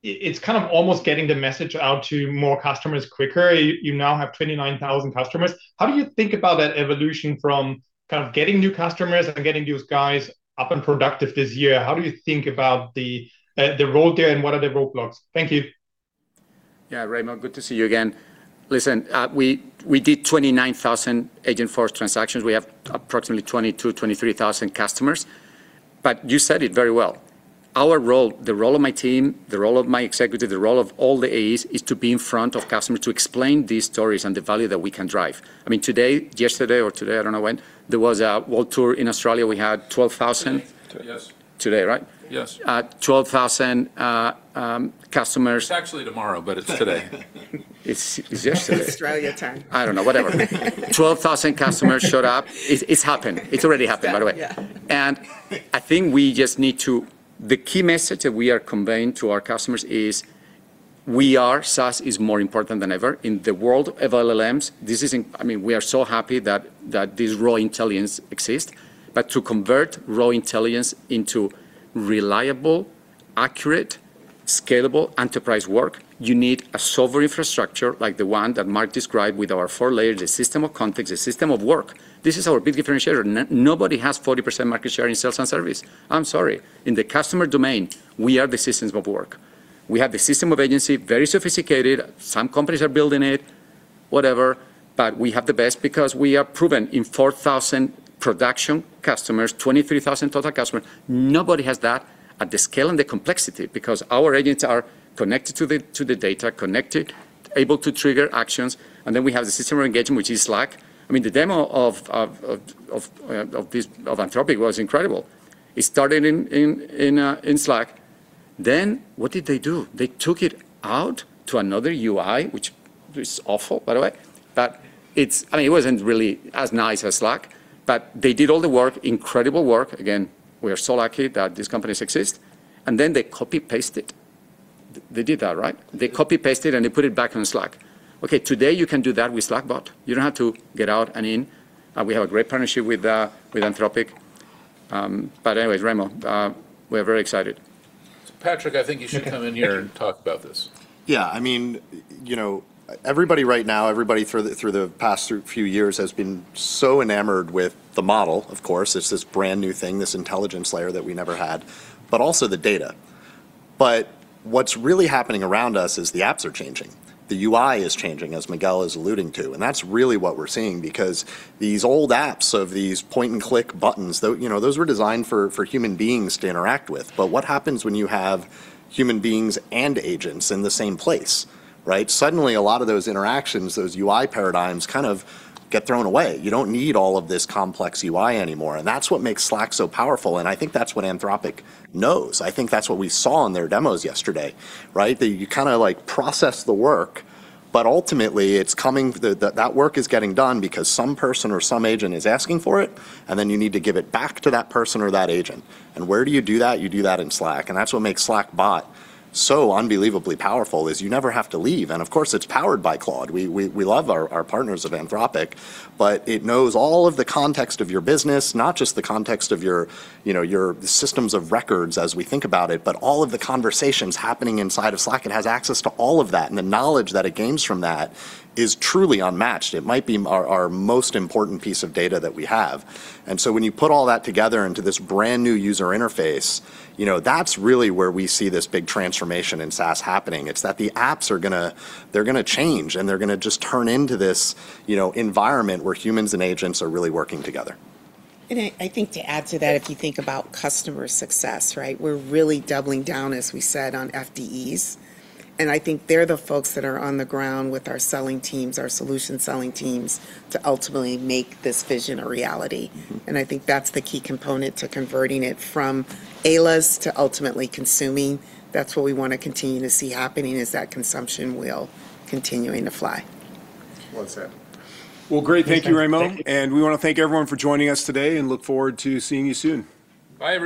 S14: it's kind of almost getting the message out to more customers quicker. You now have 29,000 customers. How do you think about that evolution from kind of getting new customers and getting those guys up and productive this year? How do you think about the road there, and what are the roadblocks? Thank you.
S13: Yeah, Raimo, good to see you again. Listen, we did 29,000 Agentforce transactions. We have approximately 22,000-23,000 customers. You said it very well: our role, the role of my team, the role of my executive, the role of all the AEs, is to be in front of customers, to explain these stories and the value that we can drive. I mean, today, yesterday or today, I don't know when, there was a world tour in Australia. We had 12,000.
S3: Today. Yes.
S13: Today, right?
S3: Yes.
S13: Uh, twelve thousand, uh, um, customers-
S3: It's actually tomorrow, but it's today.
S13: It's yesterday.
S7: Australia time.
S13: I don't know, whatever. 12,000 customers showed up. It's happened. It's already happened, by the way.
S7: Yeah.
S13: I think we just need to. The key message that we are conveying to our customers is, SaaS is more important than ever. In the world of LLMs, this is I mean, we are so happy that this raw intelligence exists, but to convert raw intelligence into reliable, accurate, scalable enterprise work, you need a solver infrastructure like the one that Marc described with our four layers, the system of context, the system of work. This is our big differentiator. Nobody has 40% market share in sales and service. I'm sorry. In the customer domain, we are the systems of work. We have the system of agency, very sophisticated. Some companies are building it, whatever, but we have the best because we are proven in 4,000 production customers, 23,000 total customers. Nobody has that at the scale and the complexity, because our agents are connected to the data, connected, able to trigger actions. We have the system of engagement, which is Slack. I mean, the demo of this, of Anthropic was incredible. It started in Slack. What did they do? They took it out to another UI, which is awful, by the way, but I mean, it wasn't really as nice as Slack, but they did all the work, incredible work, again, we are so lucky that these companies exist. They copy-pasted. They did that, right? They copy-pasted. They put it back on Slack. Today, you can do that with Slackbot. You don't have to get out and in. We have a great partnership with Anthropic. Anyways, Raimo, we're very excited.
S2: Patrick, I think you should come in here and talk about this.
S12: Yeah, I mean, you know, everybody right now, everybody through the past few years has been so enamored with the model, of course. It's this brand-new thing, this intelligence layer that we never had, also the data. What's really happening around us is the apps are changing. The UI is changing, as Miguel Milano is alluding to, and that's really what we're seeing because these old apps of these point-and-click buttons, though, you know, those were designed for human beings to interact with. What happens when you have human beings and agents in the same place, right? Suddenly, a lot of those interactions, those UI paradigms, kind of get thrown away. You don't need all of this complex UI anymore, and that's what makes Slack so powerful, and I think that's what Anthropic knows. I think that's what we saw in their demos yesterday, right? That you kind of, like, process the work, but ultimately it's coming. That work is getting done because some person or some agent is asking for it, then you need to give it back to that person or that agent. Where do you do that? You do that in Slack, and that's what makes Slackbot so unbelievably powerful, is you never have to leave. Of course, it's powered by Claude. We love our partners at Anthropic, but it knows all of the context of your business, not just the context of your, you know, your systems of records as we think about it, but all of the conversations happening inside of Slack. It has access to all of that, and the knowledge that it gains from that is truly unmatched. It might be our most important piece of data that we have. When you put all that together into this brand-new user interface, you know, that's really where we see this big transformation in SaaS happening. It's that the apps are gonna change, and they're gonna just turn into this, you know, environment where humans and agents are really working together.
S7: I think to add to that, if you think about customer success, right? We're really doubling down, as we said, on FDEs, and I think they're the folks that are on the ground with our selling teams, our solution selling teams, to ultimately make this vision a reality. I think that's the key component to converting it from AELAs to ultimately consuming. That's what we want to continue to see happening, is that consumption wheel continuing to fly.
S13: Well said.
S2: Well, great.
S13: Thank you.
S2: Thank you, Raimo. We want to thank everyone for joining us today and look forward to seeing you soon.
S3: Bye, everyone.